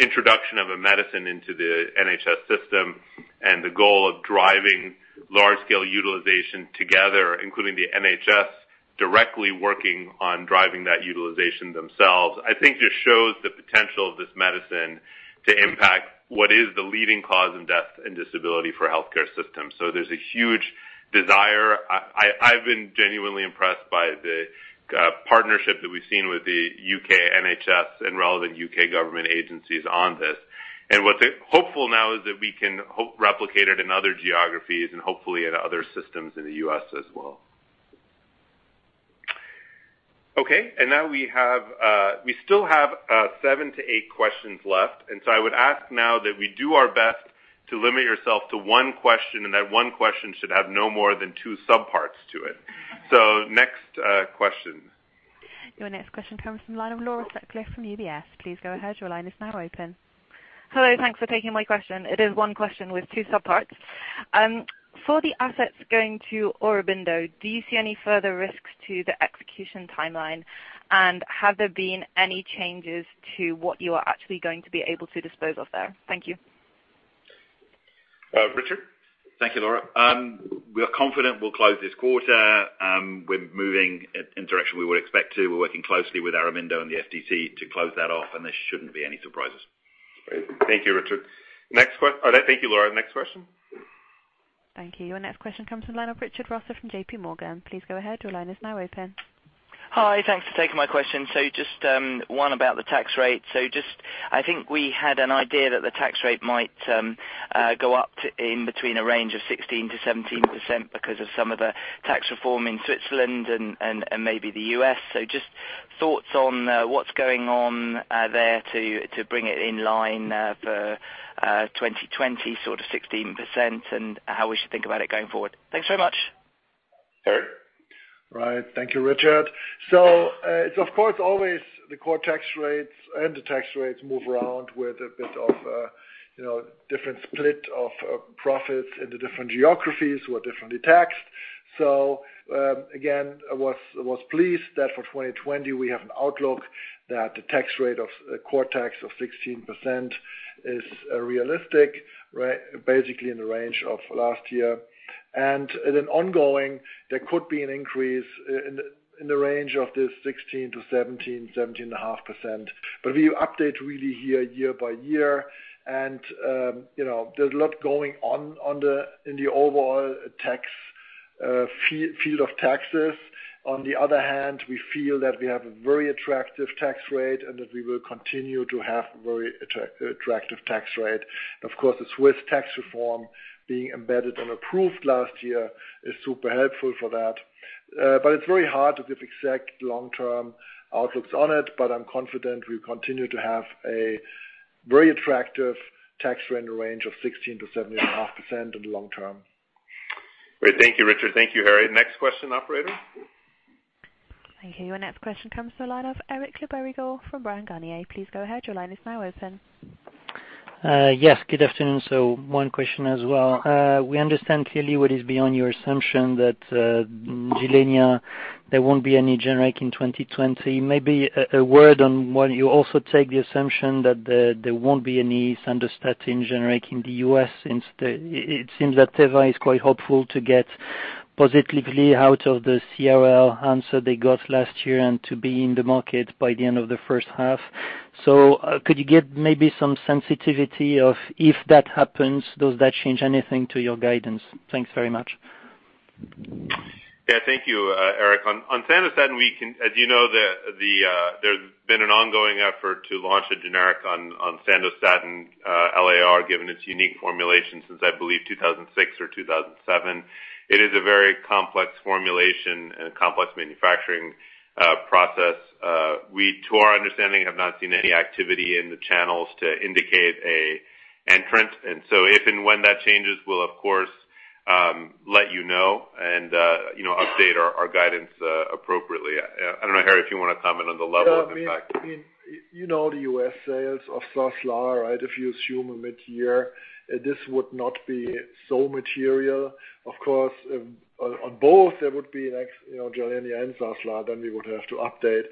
introduction of a medicine into the NHS system and the goal of driving large-scale utilization together, including the NHS directly working on driving that utilization themselves. I think just shows the potential of this medicine to impact what is the leading cause of death and disability for healthcare systems. There's a huge desire. I've been genuinely impressed by the partnership that we've seen with the U.K. NHS and relevant U.K. government agencies on this. What's hopeful now is that we can hope replicate it in other geographies and hopefully in other systems in the U.S. as well. Okay. Now we still have seven to eight questions left. I would ask now that we do our best to limit yourself to one question, and that one question should have no more than two subparts to it. Next question. Your next question comes from the line of Laura Sutcliffe from UBS. Please go ahead. Your line is now open. Hello. Thanks for taking my question. It is one question with two subparts. For the assets going to Aurobindo, do you see any further risks to the execution timeline? Have there been any changes to what you are actually going to be able to dispose of there? Thank you. Richard? Thank you, Laura. We are confident we'll close this quarter. We're moving in the direction we would expect to. We're working closely with Aurobindo and the FTC to close that off, and there shouldn't be any surprises. Great. Thank you, Richard. Thank you, Laura. Next question. Thank you. Your next question comes from the line of Richard Vosser from JPMorgan. Please go ahead. Your line is now open. Hi. Thanks for taking my question. One about the tax rate. I think we had an idea that the tax rate might go up in between a range of 16%-17% because of some of the tax reform in Switzerland and maybe the U.S. Thoughts on what's going on there to bring it in line for 2020, sort of 16%, and how we should think about it going forward. Thanks very much. Harry? Right. Thank you, Richard. It's of course, always the core tax rates and the tax rates move around with a bit of different split of profits into different geographies who are differently taxed. Again, I was pleased that for 2020 we have an outlook that the tax rate of core tax of 16% is realistic, basically in the range of last year. In an ongoing, there could be an increase in the range of this 16%-17.5%. We update really here year by year. There's a lot going on in the overall field of taxes. On the other hand, we feel that we have a very attractive tax rate and that we will continue to have a very attractive tax rate. Of course, the Swiss tax reform being embedded and approved last year is super helpful for that. It's very hard to give exact long-term outlooks on it, but I'm confident we'll continue to have a very attractive tax rate in the range of 16%-17.5% in the long term. Great. Thank you, Richard. Thank you, Harry. Next question, operator. Thank you. Your next question comes from the line of Eric Le Berrigaud from Bryan, Garnier. Please go ahead. Your line is now open. Yes, good afternoon. One question as well. We understand clearly what is beyond your assumption that Gilenya, there won't be any generic in 2020. Maybe a word on while you also take the assumption that there won't be any Sandostatin generic in the U.S., since it seems that Teva is quite hopeful to get positively out of the CRL answer they got last year and to be in the market by the end of the first half. Could you give maybe some sensitivity of, if that happens, does that change anything to your guidance? Thanks very much. Yeah, thank you, Eric. On Sandostatin, as you know, there's been an ongoing effort to launch a generic on Sandostatin LAR, given its unique formulation since, I believe, 2006 or 2007. It is a very complex formulation and a complex manufacturing process. We, to our understanding, have not seen any activity in the channels to indicate an entrance. If and when that changes, we'll of course let you know and update our guidance appropriately. I don't know, Harry, if you want to comment on the level of effect. You know the U.S. sales of Saslar, right? If you assume a mid-year, this would not be so material. Of course, on both, there would be Gilenya and Saslar, then we would have to update.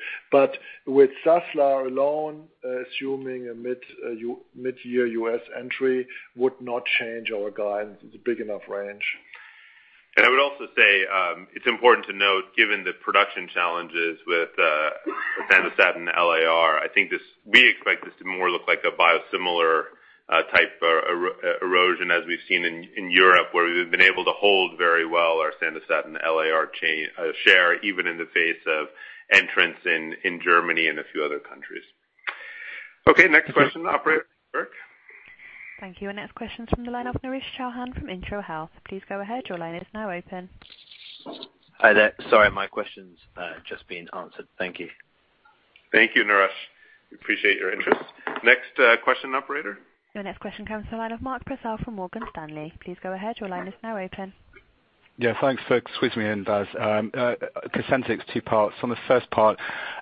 With Saslar alone, assuming a mid-year U.S. entry would not change our guidance. It's a big enough range. I would also say, it's important to note, given the production challenges with Sandostatin LAR, I think we expect this to more look like a biosimilar-type erosion as we've seen in Europe, where we've been able to hold very well our Sandostatin LAR share, even in the face of entrants in Germany and a few other countries. Okay. Next question, Operator. Thank you. Our next question is from the line of Naresh Chouhan from Intron Health. Please go ahead. Your line is now open. Hi there. Sorry, my question's just been answered. Thank you. Thank you, Naresh. We appreciate your interest. Next question, Operator. Your next question comes to the line of Mark Purcell from Morgan Stanley. Please go ahead. Your line is now open. Yeah, thanks, folks. Squeeze me in. Cosentyx, two parts. On the first part,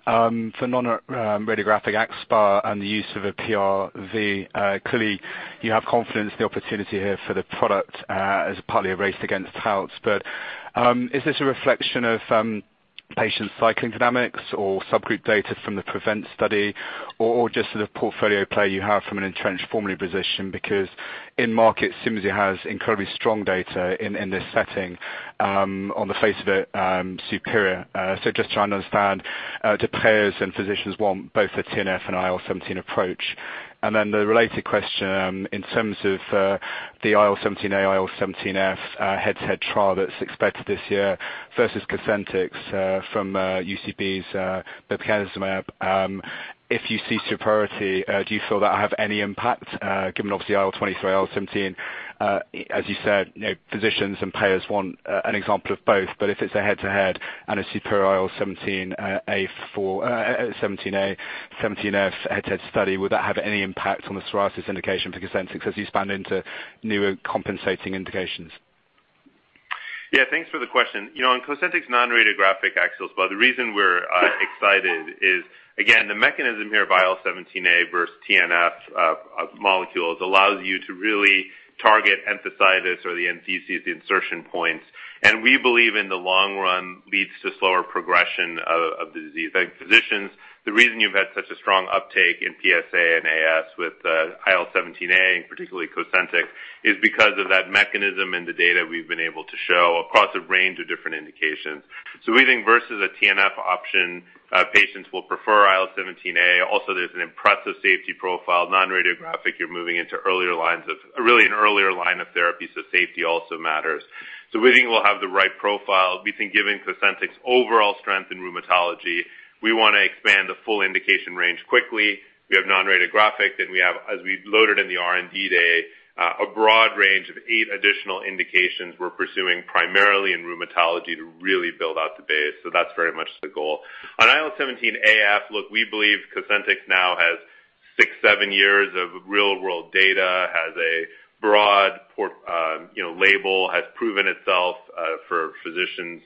for non-radiographic axSpA and the use of a PRV, clearly you have confidence the opportunity here for the product is partly a race against Taltz. Is this a reflection of patient cycling dynamics or subgroup data from the PREVENT study, or just the portfolio play you have from an entrenched formulary position? In market, Cimzia has incredibly strong data in this setting, on the face of it, superior. Just trying to understand, do payers and physicians want both a TNF and IL-17 approach? The related question, in terms of the IL-17A, IL-17F head-to-head trial that's expected this year versus Cosentyx from UCB's, if you see superiority, do you feel that'll have any impact given obviously IL-23, IL-17? As you said, physicians and payers want an example of both. If it's a head-to-head and a superior IL-17A, 17F head-to-head study, would that have any impact on the psoriasis indication for Cosentyx as you expand into newer compensating indications? Yeah, thanks for the question. In Cosentyx non-radiographic axial SpA, the reason we're excited is, again, the mechanism here of IL-17A versus TNF molecules allows you to really target enthesitis or the entheses, the insertion points. We believe in the long run, leads to slower progression of the disease. I think physicians, the reason you've had such a strong uptake in PSA and AS with IL-17A, and particularly Cosentyx, is because of that mechanism and the data we've been able to show across a range of different indications. We think versus a TNF option, patients will prefer IL-17A. There's an impressive safety profile. Non-radiographic, you're moving into really an earlier line of therapy, so safety also matters. We think we'll have the right profile. We think given Cosentyx's overall strength in rheumatology, we want to expand the full indication range quickly. We have non-radiographic. We have, as we loaded in the R&D Day, a broad range of eight additional indications we're pursuing, primarily in rheumatology, to really build out the base. That's very much the goal. On IL-17A, look, we believe Cosentyx now has six, seven years of real-world data, has a broad label, has proven itself for physicians.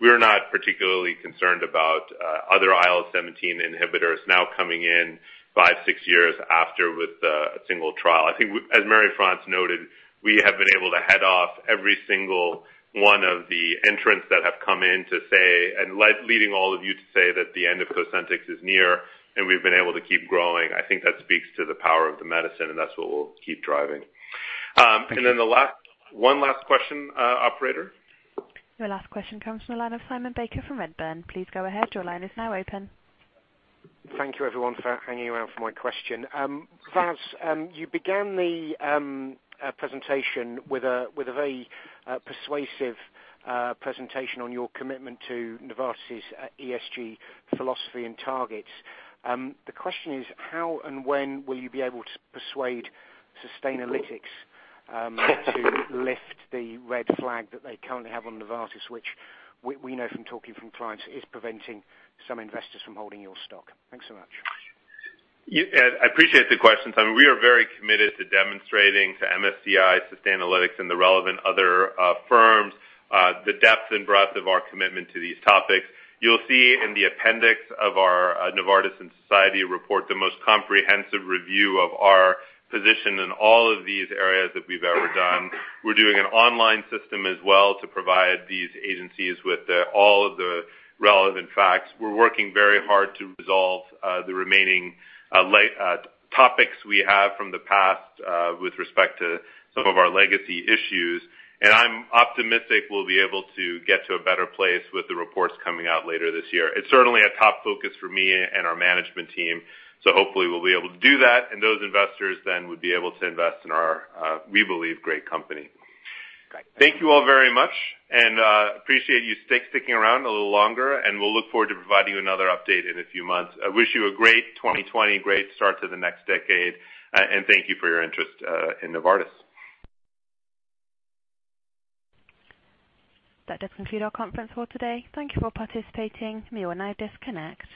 We are not particularly concerned about other IL-17 inhibitors now coming in. Five, six years after with a single trial. I think as Marie-France noted, we have been able to head off every single one of the entrants that have come in to say, leading all of you to say that the end of Cosentyx is near, we've been able to keep growing. I think that speaks to the power of the medicine, that's what we'll keep driving. Thank you. One last question, Operator? Your last question comes from the line of Simon Baker from Redburn. Please go ahead. Your line is now open. Thank you everyone for hanging around for my question. Vas, you began the presentation with a very persuasive presentation on your commitment to Novartis' ESG philosophy and targets. The question is, how and when will you be able to persuade Sustainalytics to lift the red flag that they currently have on Novartis, which we know from talking from clients, is preventing some investors from holding your stock? Thanks so much. I appreciate the question, Simon. We are very committed to demonstrating to MSCI, Sustainalytics, and the relevant other firms, the depth and breadth of our commitment to these topics. You'll see in the appendix of our Novartis in Society Report, the most comprehensive review of our position in all of these areas that we've ever done. We're doing an online system as well to provide these agencies with all of the relevant facts. We're working very hard to resolve the remaining topics we have from the past with respect to some of our legacy issues. I'm optimistic we'll be able to get to a better place with the reports coming out later this year. It's certainly a top focus for me and our management team. Hopefully we'll be able to do that, and those investors then would be able to invest in our, we believe, great company. Great. Thank you all very much. Appreciate you sticking around a little longer. We'll look forward to providing you another update in a few months. I wish you a great 2020, great start to the next decade. Thank you for your interest in Novartis. That does conclude our conference call today. Thank you for participating. You may now disconnect.